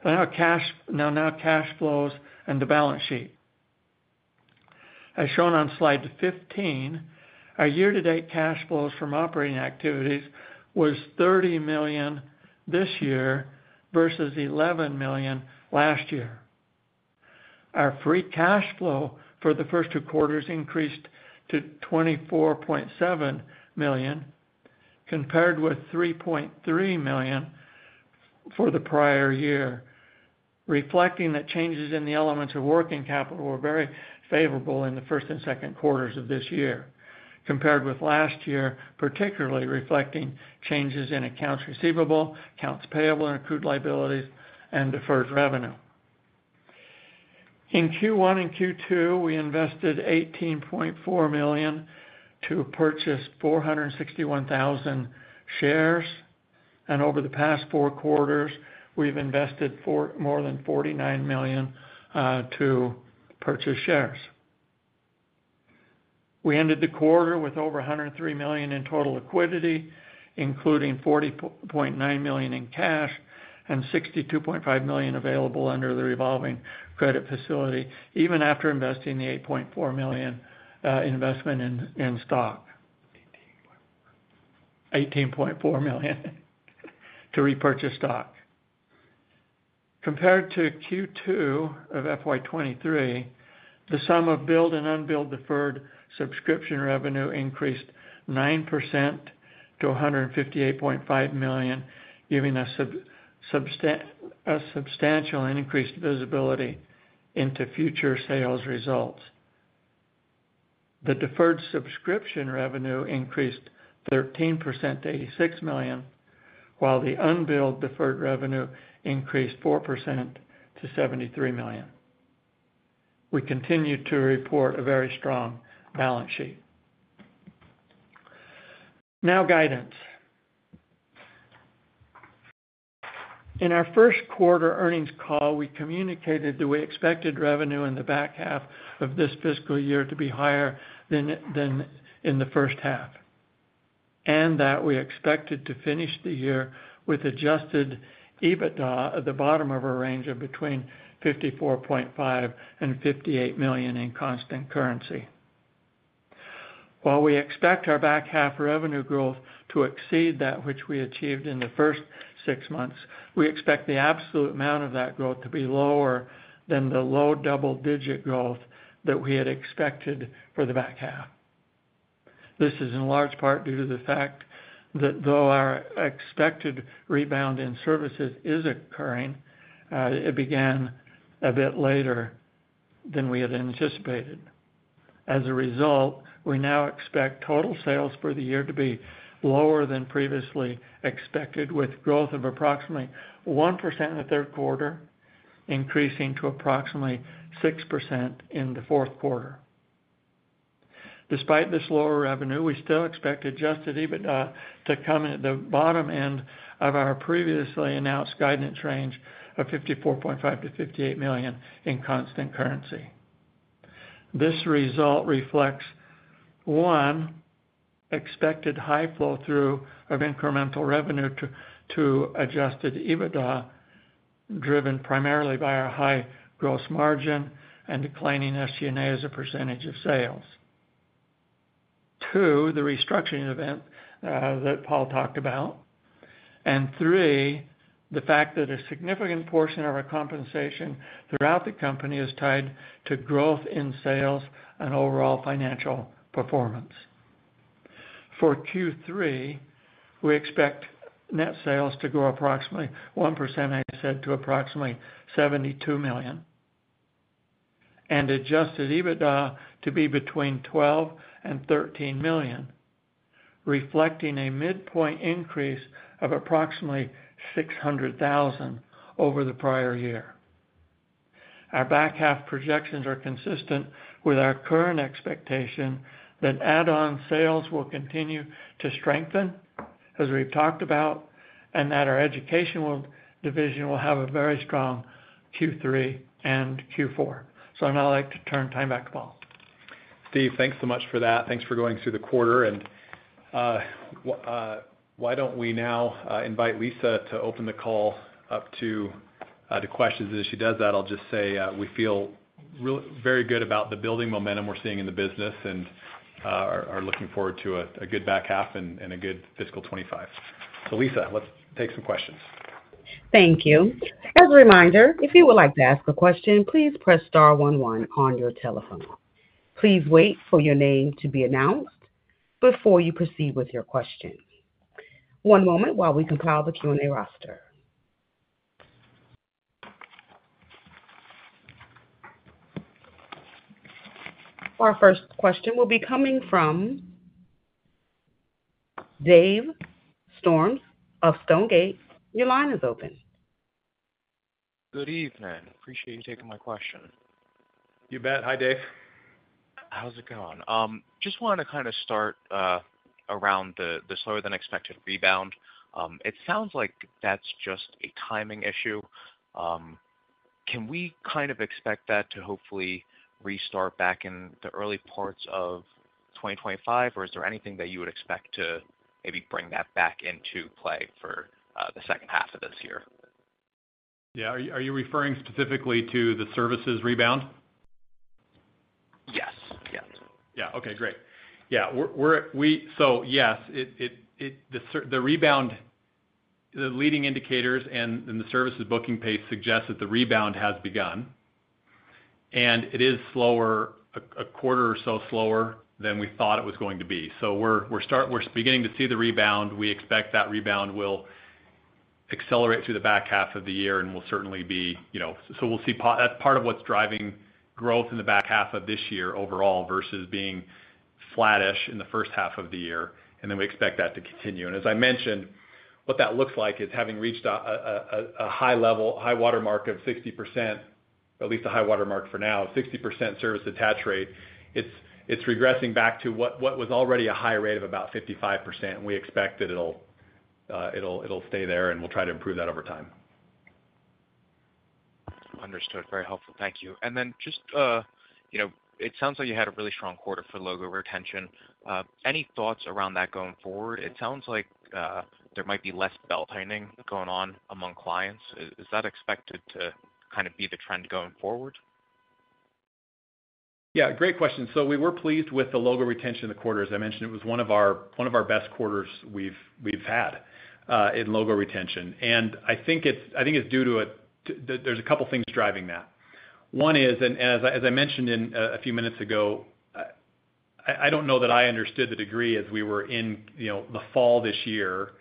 Now, cash flows and the balance sheet. As shown on Slide 15, our year-to-date cash flows from operating activities were $30 million this year versus $11 million last year. Our free cash flow for the first two quarters increased to $24.7 million compared with $3.3 million for the prior year, reflecting that changes in the elements of working capital were very favorable in the first and second quarters of this year compared with last year, particularly reflecting changes in accounts receivable, accounts payable, and accrued liabilities, and Deferred Revenue. In Q1 and Q2, we invested $18.4 million to purchase 461,000 shares, and over the past four quarters, we've invested more than $49 million, to purchase shares. We ended the quarter with over $103 million in total liquidity, including $40.9 million in cash and $62.5 million available under the revolving credit facility, even after investing the $18.4 million in stock investment-- $18.4 million to repurchase stock. Compared to Q2 of FY 2023, the sum of billed and unbilled deferred subscription revenue increased 9% to $158.5 million, giving us a substantial increased visibility into future sales results. The deferred subscription revenue increased 13% to $86 million, while the unbilled deferred revenue increased 4% to $73 million. We continue to report a very strong balance sheet. Now, guidance. In our first quarter earnings call, we communicated that we expected revenue in the back half of this fiscal year to be higher than in the first half, and that we expected to finish the year with adjusted EBITDA at the bottom of our range of between $54.5 million and $58 million in constant currency. While we expect our back half revenue growth to exceed that which we achieved in the first six months, we expect the absolute amount of that growth to be lower than the low double-digit growth that we had expected for the back half. This is in large part due to the fact that, though our expected rebound in services is occurring, it began a bit later than we had anticipated. As a result, we now expect total sales for the year to be lower than previously expected, with growth of approximately 1% in the third quarter increasing to approximately 6% in the fourth quarter. Despite this lower revenue, we still expect adjusted EBITDA to come at the bottom end of our previously announced guidance range of $54.5 million-$58 million in constant currency. This result reflects, one, expected high flow-through of incremental revenue to adjusted EBITDA, driven primarily by our high gross margin and declining SG&A as a percentage of sales. Two, the restructuring event, that Paul talked about. And three, the fact that a significant portion of our compensation throughout the company is tied to growth in sales and overall financial performance. For Q3, we expect net sales to grow approximately 1%, as I said, to approximately $72 million, and adjusted EBITDA to be between $12 million and $13 million, reflecting a midpoint increase of approximately $600,000 over the prior year. Our back half projections are consistent with our current expectation that add-on sales will continue to strengthen, as we've talked about, and that our Education Division will have a very strong Q3 and Q4. So I'd now like to turn time back to Paul. Steve, thanks so much for that. Thanks for going through the quarter. And, why don't we now invite Lisa to open the call up to questions? And as she does that, I'll just say, we feel really very good about the building momentum we're seeing in the business and are looking forward to a good back half and a good fiscal 2025. So, Lisa, let's take some questions. Thank you. As a reminder, if you would like to ask a question, please press star one one on your telephone. Please wait for your name to be announced before you proceed with your question. One moment while we compile the Q&A roster. Our first question will be coming from Dave Storms of Stonegate. Your line is open. Good evening. Appreciate you taking my question. You bet. Hi, Dave. How's it going? Just wanted to kind of start around the slower-than-expected rebound. It sounds like that's just a timing issue. Can we kind of expect that to hopefully restart back in the early parts of 2025, or is there anything that you would expect to maybe bring that back into play for the second half of this year? Yeah. Are you referring specifically to the services rebound? Yes. Yeah. Okay. Great. Yeah. We're so yes. It the services rebound the leading indicators and the services booking pace suggest that the rebound has begun, and it is slower a quarter or so slower than we thought it was going to be. So we're beginning to see the rebound. We expect that rebound will accelerate through the back half of the year, and we'll certainly be, you know, so we'll see that's part of what's driving growth in the back half of this year overall versus being flat-ish in the first half of the year. And then we expect that to continue. And as I mentioned, what that looks like is having reached a high level high watermark of 60% at least a high watermark for now, 60% service attach rate. It's regressing back to what was already a high rate of about 55%. We expect that it'll stay there, and we'll try to improve that over time. Understood. Very helpful. Thank you. And then just, you know, it sounds like you had a really strong quarter for logo retention. Any thoughts around that going forward? It sounds like there might be less belt-tightening going on among clients. Is that expected to kind of be the trend going forward? Yeah. Great question. So we were pleased with the logo retention in the quarter. As I mentioned, it was one of our best quarters we've had in logo retention. And I think it's due to that. There's a couple of things driving that. One is, and as I mentioned a few minutes ago, I don't know that I understood the degree as we were in, you know, the fall this year,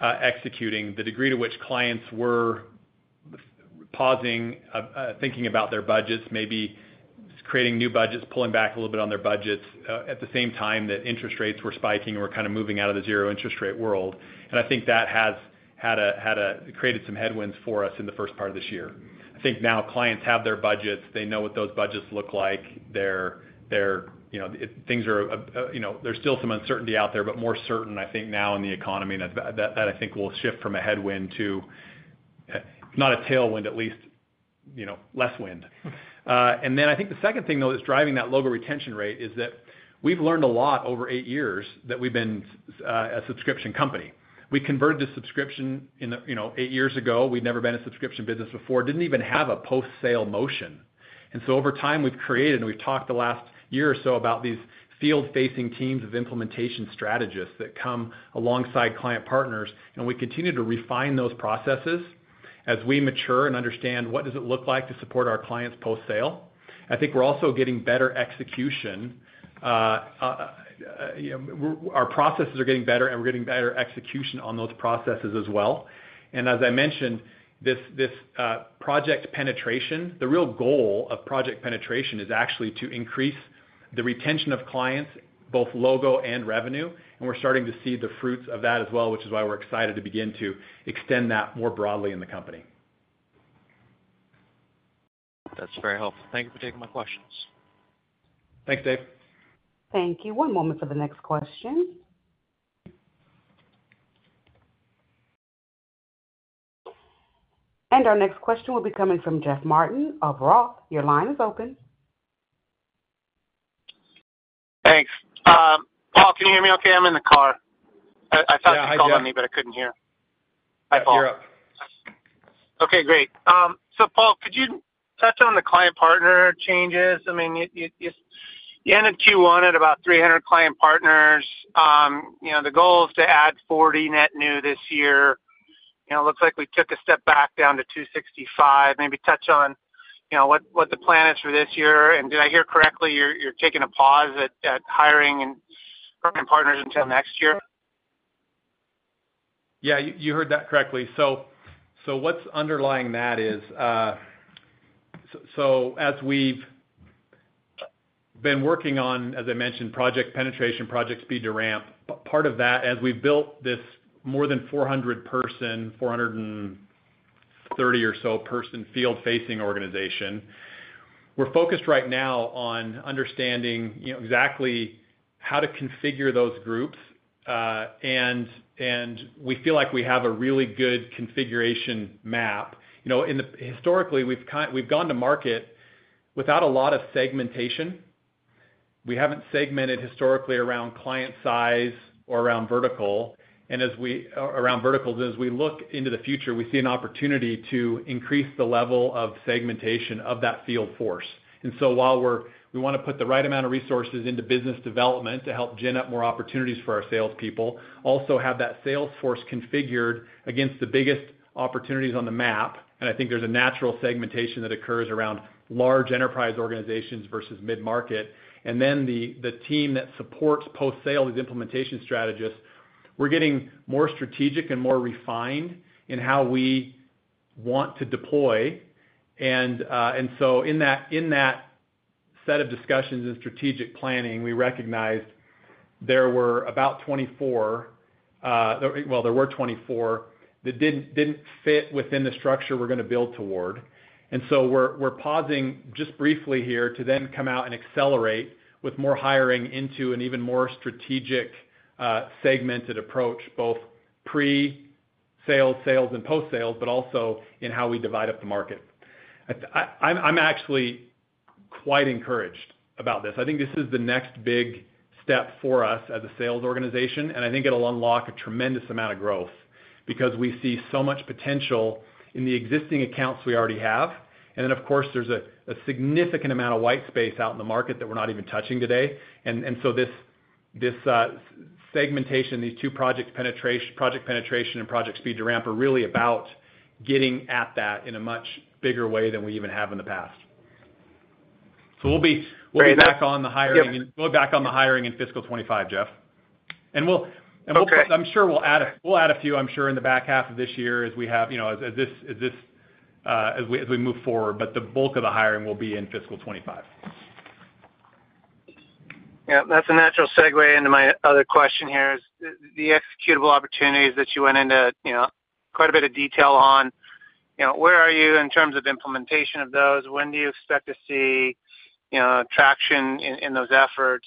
executing the degree to which clients were pausing, thinking about their budgets, maybe creating new budgets, pulling back a little bit on their budgets, at the same time that interest rates were spiking and were kind of moving out of the zero interest rate world. And I think that has created some headwinds for us in the first part of this year. I think now clients have their budgets. They know what those budgets look like. They're, you know, things are, you know, there's still some uncertainty out there, but more certain, I think, now in the economy. That's that I think will shift from a headwind to, if not a tailwind, at least, you know, less wind. And then I think the second thing, though, that's driving that logo retention rate is that we've learned a lot over eight years that we've been a subscription company. We converted to subscription in the, you know, eight years ago. We'd never been a subscription business before. Didn't even have a post-sale motion. And so over time, we've created and we've talked the last year or so about these field-facing teams of implementation strategists that come alongside client partners. And we continue to refine those processes as we mature and understand what does it look like to support our clients post-sale. I think we're also getting better execution. You know, our processes are getting better, and we're getting better execution on those processes as well. And as I mentioned, this Project Penetration, the real goal of Project Penetration is actually to increase the retention of clients, both logo and revenue. And we're starting to see the fruits of that as well, which is why we're excited to begin to extend that more broadly in the company. That's very helpful. Thank you for taking my questions. Thanks, Dave. Thank you. One moment for the next question. And our next question will be coming from Jeff Martin of Roth. Your line is open. Thanks. Paul, can you hear me okay? I'm in the car. I thought you called on me, but I couldn't hear. Hi, Jeff. Okay. Great. So, Paul, could you touch on the client partner changes? I mean, you ended Q1 at about 300 client partners. You know, the goal is to add 40 net new this year. You know, looks like we took a step back down to 265. Maybe touch on, you know, what the plan is for this year. And did I hear correctly? You're taking a pause at hiring and hiring partners until next year. Yeah. You heard that correctly. So what's underlying that is, so as we've been working on, as I mentioned, Project Penetration, Project Speed to Ramp, part of that, as we've built this more than 400-person, 430 or so-person field-facing organization, we're focused right now on understanding, you know, exactly how to configure those groups. And we feel like we have a really good configuration map. You know, historically, we've gone to market without a lot of segmentation. We haven't segmented historically around client size or around vertical. As we're around verticals, as we look into the future, we see an opportunity to increase the level of segmentation of that field force. And so while we want to put the right amount of resources into business development to help gin up more opportunities for our salespeople, also have that sales force configured against the biggest opportunities on the map. And I think there's a natural segmentation that occurs around large enterprise organizations versus mid-market. And then the team that supports post-sale these implementation strategists, we're getting more strategic and more refined in how we want to deploy. And so in that set of discussions and strategic planning, we recognized there were 24 that didn't fit within the structure we're going to build toward. We're pausing just briefly here to then come out and accelerate with more hiring into an even more strategic, segmented approach, both pre-sale, sales, and post-sales, but also in how we divide up the market. I'm actually quite encouraged about this. I think this is the next big step for us as a sales organization. I think it'll unlock a tremendous amount of growth because we see so much potential in the existing accounts we already have. Then, of course, there's a significant amount of white space out in the market that we're not even touching today. So this segmentation, these two Project Penetration and Project Speed to Ramp, are really about getting at that in a much bigger way than we even have in the past. So we'll be back on the hiring and going back on the hiring in fiscal 2025, Jeff. And we'll put, I'm sure, we'll add a few, I'm sure, in the back half of this year as we have, you know, as this, as we move forward. But the bulk of the hiring will be in fiscal 2025. Yeah. That's a natural segue into my other question here is the executable opportunities that you went into, you know, quite a bit of detail on. You know, where are you in terms of implementation of those? When do you expect to see, you know, traction in those efforts?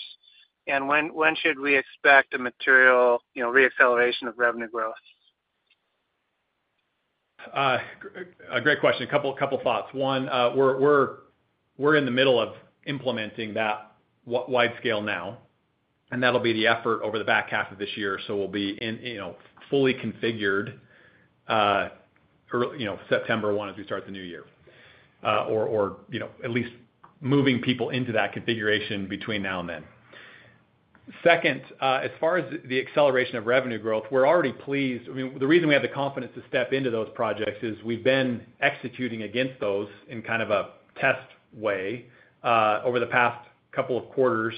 And when should we expect a material, you know, re-acceleration of revenue growth? A great question. A couple of thoughts. One, we're in the middle of implementing that wide scale now. And that'll be the effort over the back half of this year. So we'll be in, you know, fully configured, early you know, September 1 as we start the new year, or, you know, at least moving people into that configuration between now and then. Second, as far as the acceleration of revenue growth, we're already pleased. I mean, the reason we have the confidence to step into those projects is we've been executing against those in kind of a test way, over the past couple of quarters.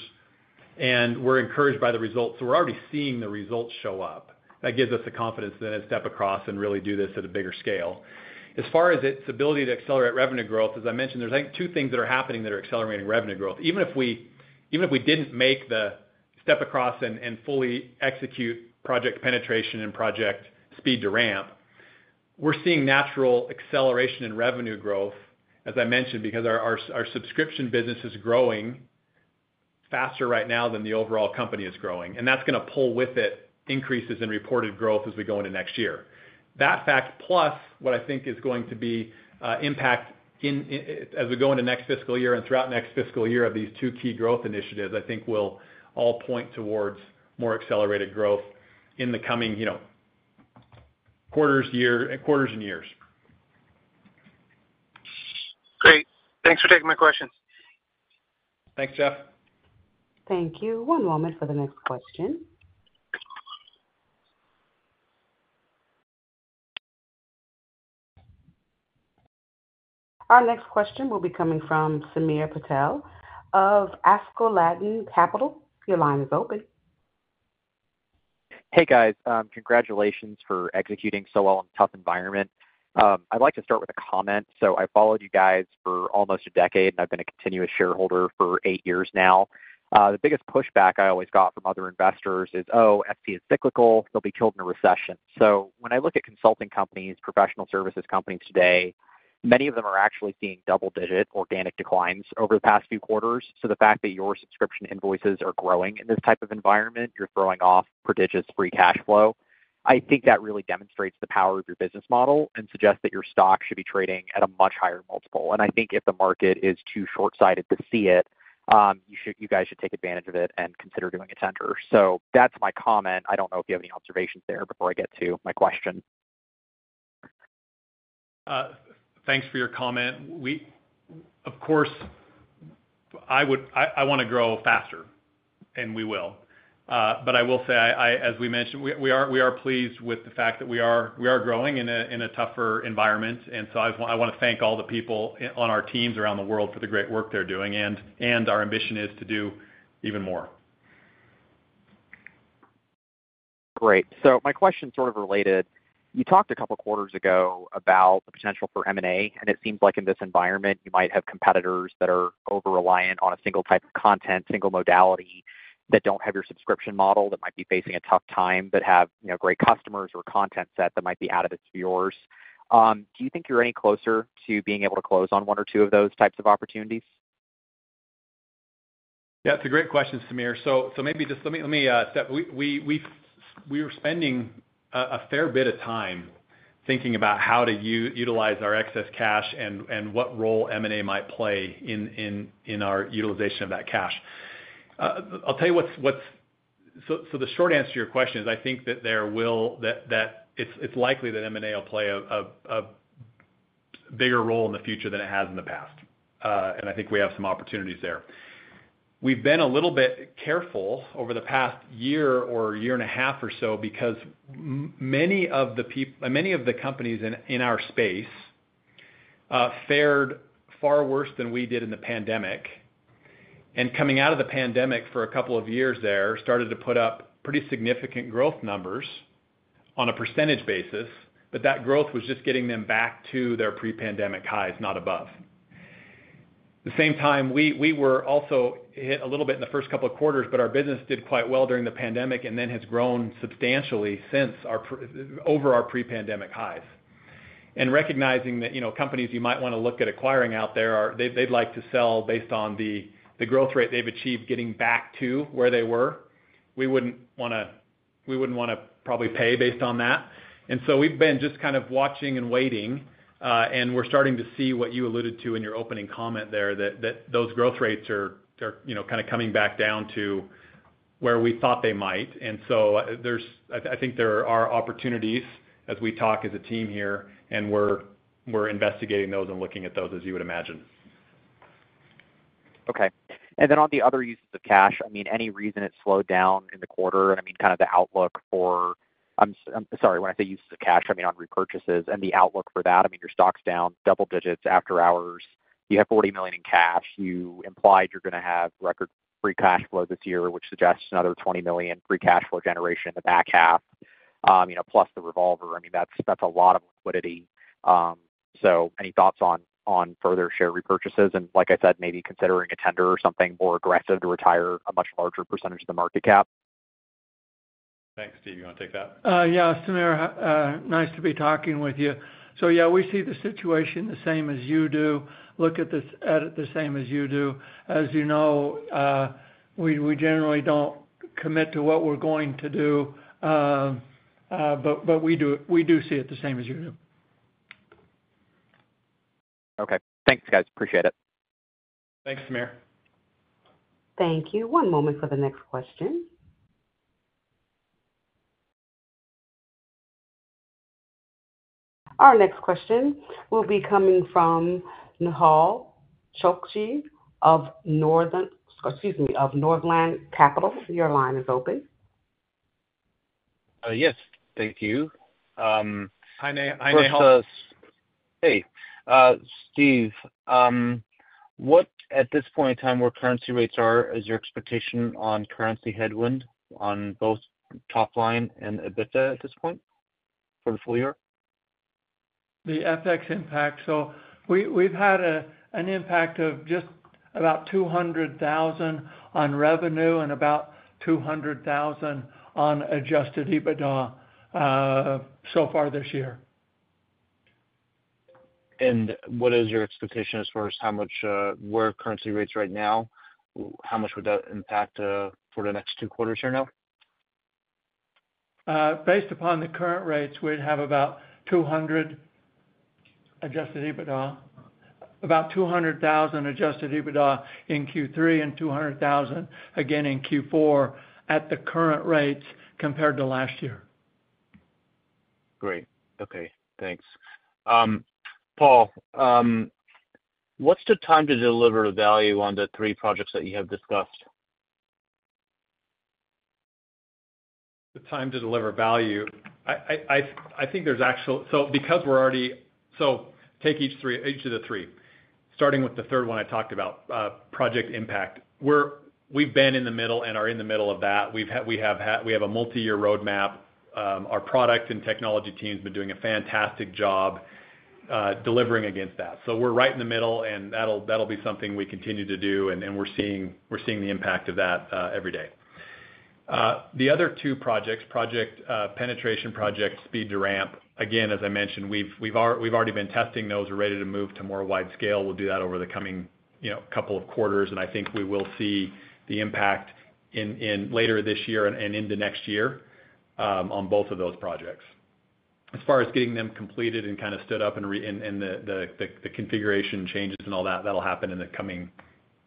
And we're encouraged by the results. So we're already seeing the results show up. That gives us the confidence then to step across and really do this at a bigger scale. As far as its ability to accelerate revenue growth, as I mentioned, there's, I think, two things that are happening that are accelerating revenue growth. Even if we didn't make the step across and fully execute Project Penetration and Project Speed to Ramp, we're seeing natural acceleration in revenue growth, as I mentioned, because our subscription business is growing faster right now than the overall company is growing. And that's going to pull with it increases in reported growth as we go into next year. That fact, plus what I think is going to be impact as we go into next fiscal year and throughout next fiscal year of these two key growth initiatives, I think will all point towards more accelerated growth in the coming, you know, quarters, year quarters and years. Great. Thanks for taking my questions. Thanks, Jeff. Thank you. One moment for the next question. Our next question will be coming from Samir Patel of Askeladden Capital. Your line is open. Hey, guys. Congratulations for executing so well in a tough environment. I'd like to start with a comment. So I've followed you guys for almost a decade, and I've been a continuous shareholder for eight years now. The biggest pushback I always got from other investors is, "Oh, FC is cyclical. They'll be killed in a recession." So when I look at consulting companies, professional services companies today, many of them are actually seeing double-digit organic declines over the past few quarters. So the fact that your subscription invoices are growing in this type of environment, you're throwing off prodigious free cash flow. I think that really demonstrates the power of your business model and suggests that your stock should be trading at a much higher multiple. And I think if the market is too shortsighted to see it, you guys should take advantage of it and consider doing a tender. So that's my comment. I don't know if you have any observations there before I get to my question. Thanks for your comment. We of course, I would want to grow faster, and we will. But I will say, as we mentioned, we are pleased with the fact that we are growing in a tougher environment. And so I want to thank all the people on our teams around the world for the great work they're doing. And our ambition is to do even more. Great. So my question's sort of related. You talked a couple of quarters ago about the potential for M&A. And it seems like in this environment, you might have competitors that are over-reliant on a single type of content, single modality, that don't have your subscription model, that might be facing a tough time, that have, you know, great customers or a content set that might be out of its viewers. Do you think you're any closer to being able to close on one or two of those types of opportunities? Yeah. It's a great question, Samir. So maybe just let me step back. We were spending a fair bit of time thinking about how to utilize our excess cash and what role M&A might play in our utilization of that cash. I'll tell you what's so the short answer to your question is I think that it's likely that M&A will play a bigger role in the future than it has in the past. I think we have some opportunities there. We've been a little bit careful over the past year or year and a half or so because many of the companies in our space fared far worse than we did in the pandemic. Coming out of the pandemic for a couple of years there, started to put up pretty significant growth numbers on a percentage basis. But that growth was just getting them back to their pre-pandemic highs, not above. At the same time, we were also hit a little bit in the first couple of quarters, but our business did quite well during the pandemic and then has grown substantially since our pre- over our pre-pandemic highs. And recognizing that, you know, companies you might want to look at acquiring out there are they'd like to sell based on the growth rate they've achieved getting back to where they were. We wouldn't want to probably pay based on that. And so we've been just kind of watching and waiting, and we're starting to see what you alluded to in your opening comment there, that those growth rates are, you know, kind of coming back down to where we thought they might. And so there's, I think, there are opportunities as we talk as a team here. And we're investigating those and looking at those, as you would imagine. Okay. And then on the other uses of cash, I mean, any reason it slowed down in the quarter? And I mean, kind of the outlook for--I'm sorry. When I say uses of cash, I mean on repurchases and the outlook for that. I mean, your stock's down double digits after hours. You have $40 million in cash. You implied you're going to have record free cash flow this year, which suggests another $20 million free cash flow generation in the back half, you know, plus the revolver. I mean, that's a lot of liquidity. So any thoughts on further share repurchases? And like I said, maybe considering a tender or something more aggressive to retire a much larger percentage of the market cap? Thanks, Steve. You want to take that? Yeah. Samir, nice to be talking with you. So yeah, we see the situation the same as you do. Look at this edit the same as you do. As you know, we generally don't commit to what we're going to do, but we do see it the same as you do. Okay. Thanks, guys. Appreciate it. Thanks, Samir. Thank you. One moment for the next question. Our next question will be coming from Nehal Chokshi of Northland Capital. Your line is open. Yes. Thank you. Steve, what at this point in time, where currency rates are, is your expectation on currency headwind on both top line and EBITDA at this point for the full year? The FX impact. So we've had an impact of just about $200,000 on revenue and about $200,000 on adjusted EBITDA, so far this year. And what is your expectation as far as how much, where currency rates right now, how much would that impact, for the next two quarters here now? Based upon the current rates, we'd have about $200,000 adjusted EBITDA in Q3 and $200,000, again, in Q4 at the current rates compared to last year. Great. Okay. Thanks. Paul, what's the time to deliver value on the three projects that you have discussed? The time to deliver value? I think there's actual so because we're already so take each three each of the three, starting with the third one I talked about, Project Impact. We're we've been in the middle and are in the middle of that. We have a multi-year roadmap. Our product and technology team's been doing a fantastic job, delivering against that. So we're right in the middle. And that'll be something we continue to do. And we're seeing the impact of that, every day. The other two projects, Project Penetration, Project Speed to Ramp, again, as I mentioned, we've already been testing those. We're ready to move to more wide scale. We'll do that over the coming, you know, couple of quarters. And I think we will see the impact in later this year and into next year, on both of those projects. As far as getting them completed and kind of stood up and in the configuration changes and all that'll happen in the coming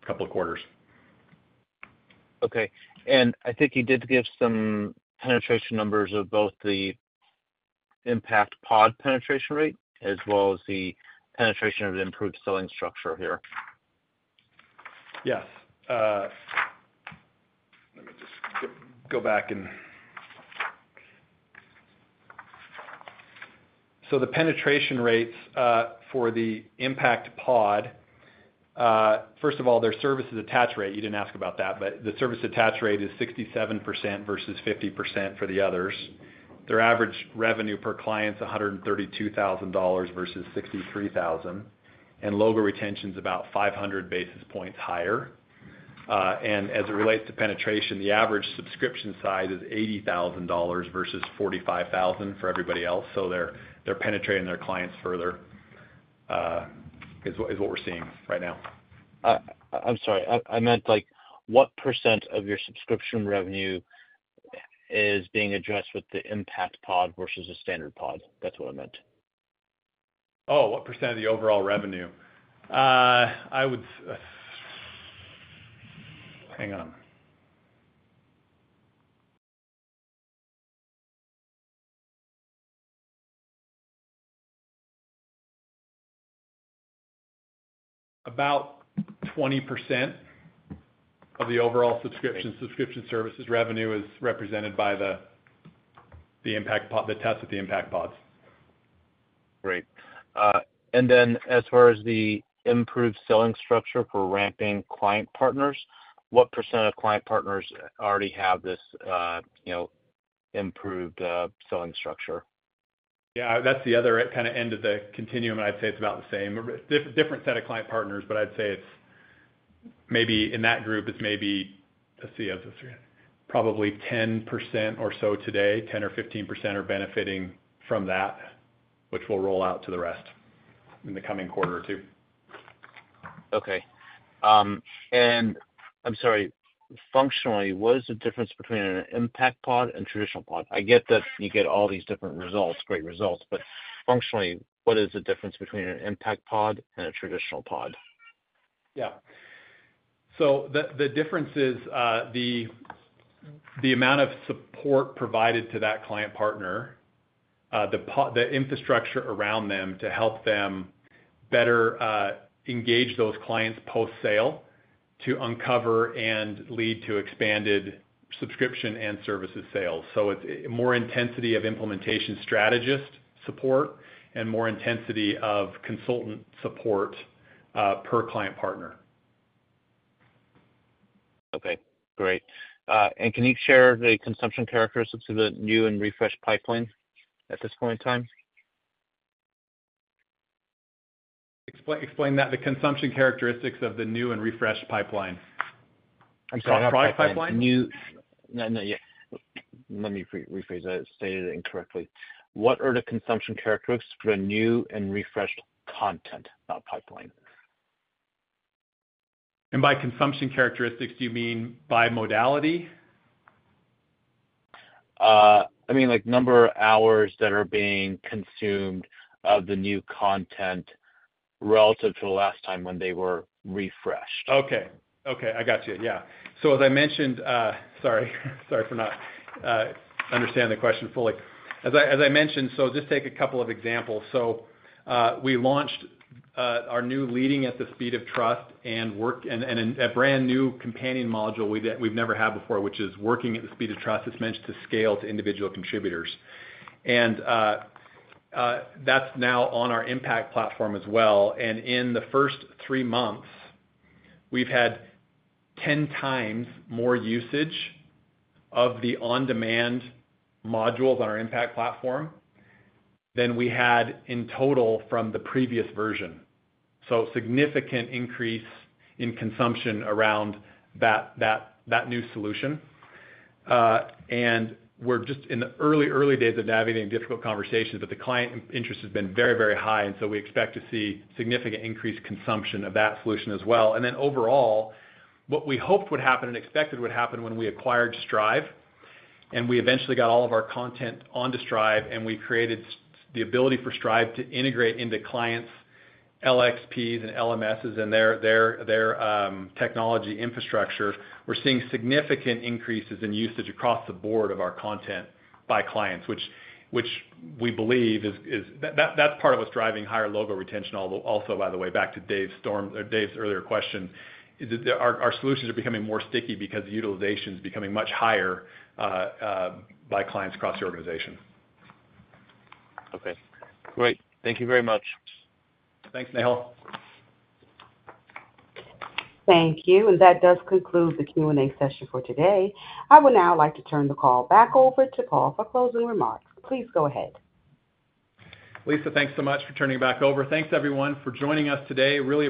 couple of quarters. Okay. I think you did give some penetration numbers of both the Impact Pod penetration rate as well as the penetration of the improved selling structure here. Yes. Let me just go back and so the penetration rates, for the Impact Pod, first of all, their service attach rate. You didn't ask about that. But the service attach rate is 67% versus 50% for the others. Their average revenue per client's $132,000 versus $63,000. And logo retention's about 500 basis points higher. And as it relates to penetration, the average subscription size is $80,000 versus $45,000 for everybody else. So they're they're penetrating their clients further, is what is what we're seeing right now. I'm sorry. I meant, like, what percent of your subscription revenue is being addressed with the Impact Pod versus the standard pod? That's what I meant. Oh, what percent of the overall revenue? I would hang on. About 20% of the overall subscription services revenue is represented by the Impact Pod the test with the Impact Pods. Great. And then as far as the improved selling structure for ramping client partners, what percent of client partners already have this, you know, improved selling structure? Yeah. That's the other kind of end of the continuum. And I'd say it's about the same. A different set of client partners. But I'd say it's maybe in that group, it's maybe let's see. I have this right here. Probably 10% or so today, 10% or 15%, are benefiting from that, which will roll out to the rest in the coming quarter or two. Okay. And I'm sorry. Functionally, what is the difference between an Impact Pod and traditional pod? I get that you get all these different results, great results. But functionally, what is the difference between an Impact Pod and a traditional pod? Yeah. So the difference is, the amount of support provided to that Client Partner, the pod the infrastructure around them to help them better engage those clients post-sale to uncover and lead to expanded subscription and services sales. So it's more intensity of implementation strategist support and more intensity of consultant support, per Client Partner. Okay. Great. And can you share the consumption characteristics of the new and refreshed pipeline at this point in time? Explain that. The consumption characteristics of the new and refreshed pipeline. I'm sorry. Not product pipeline. No, no, yeah. Let me rephrase that. Stated it incorrectly. What are the consumption characteristics for the new and refreshed content, not pipeline? And by consumption characteristics, do you mean by modality? I mean, like, number of hours that are being consumed of the new content relative to the last time when they were refreshed. Okay. I got you. Yeah. So as I mentioned, sorry. Sorry for not understanding the question fully. As I mentioned, so just take a couple of examples. So, we launched our new Leading at the Speed of Trust and Working at the Speed of Trust, a brand new companion module that we've never had before, which is meant to scale to individual contributors. And that's now on our Impact Platform as well. And in the first three months, we've had 10x more usage of the on-demand modules on our Impact Platform than we had in total from the previous version. So significant increase in consumption around that new solution. And we're just in the early, early days of Navigating Difficult Conversations. But the client interest has been very, very high. So we expect to see significant increased consumption of that solution as well. Then overall, what we hoped would happen and expected would happen when we acquired Strive. We eventually got all of our content onto Strive. We created the ability for Strive to integrate into clients' LXPs and LMSs and their technology infrastructure. We're seeing significant increases in usage across the board of our content by clients, which we believe is that that's part of what's driving higher logo retention, also, by the way, back to Dave Storms or Dave's earlier question, is that our solutions are becoming more sticky because utilization's becoming much higher by clients across the organization. Okay. Great. Thank you very much. Thanks, Nehal. Thank you. That does conclude the Q&A session for today. I would now like to turn the call back over to Paul for closing remarks. Please go ahead. Lisa, thanks so much for turning back over. Thanks, everyone, for joining us today. Really--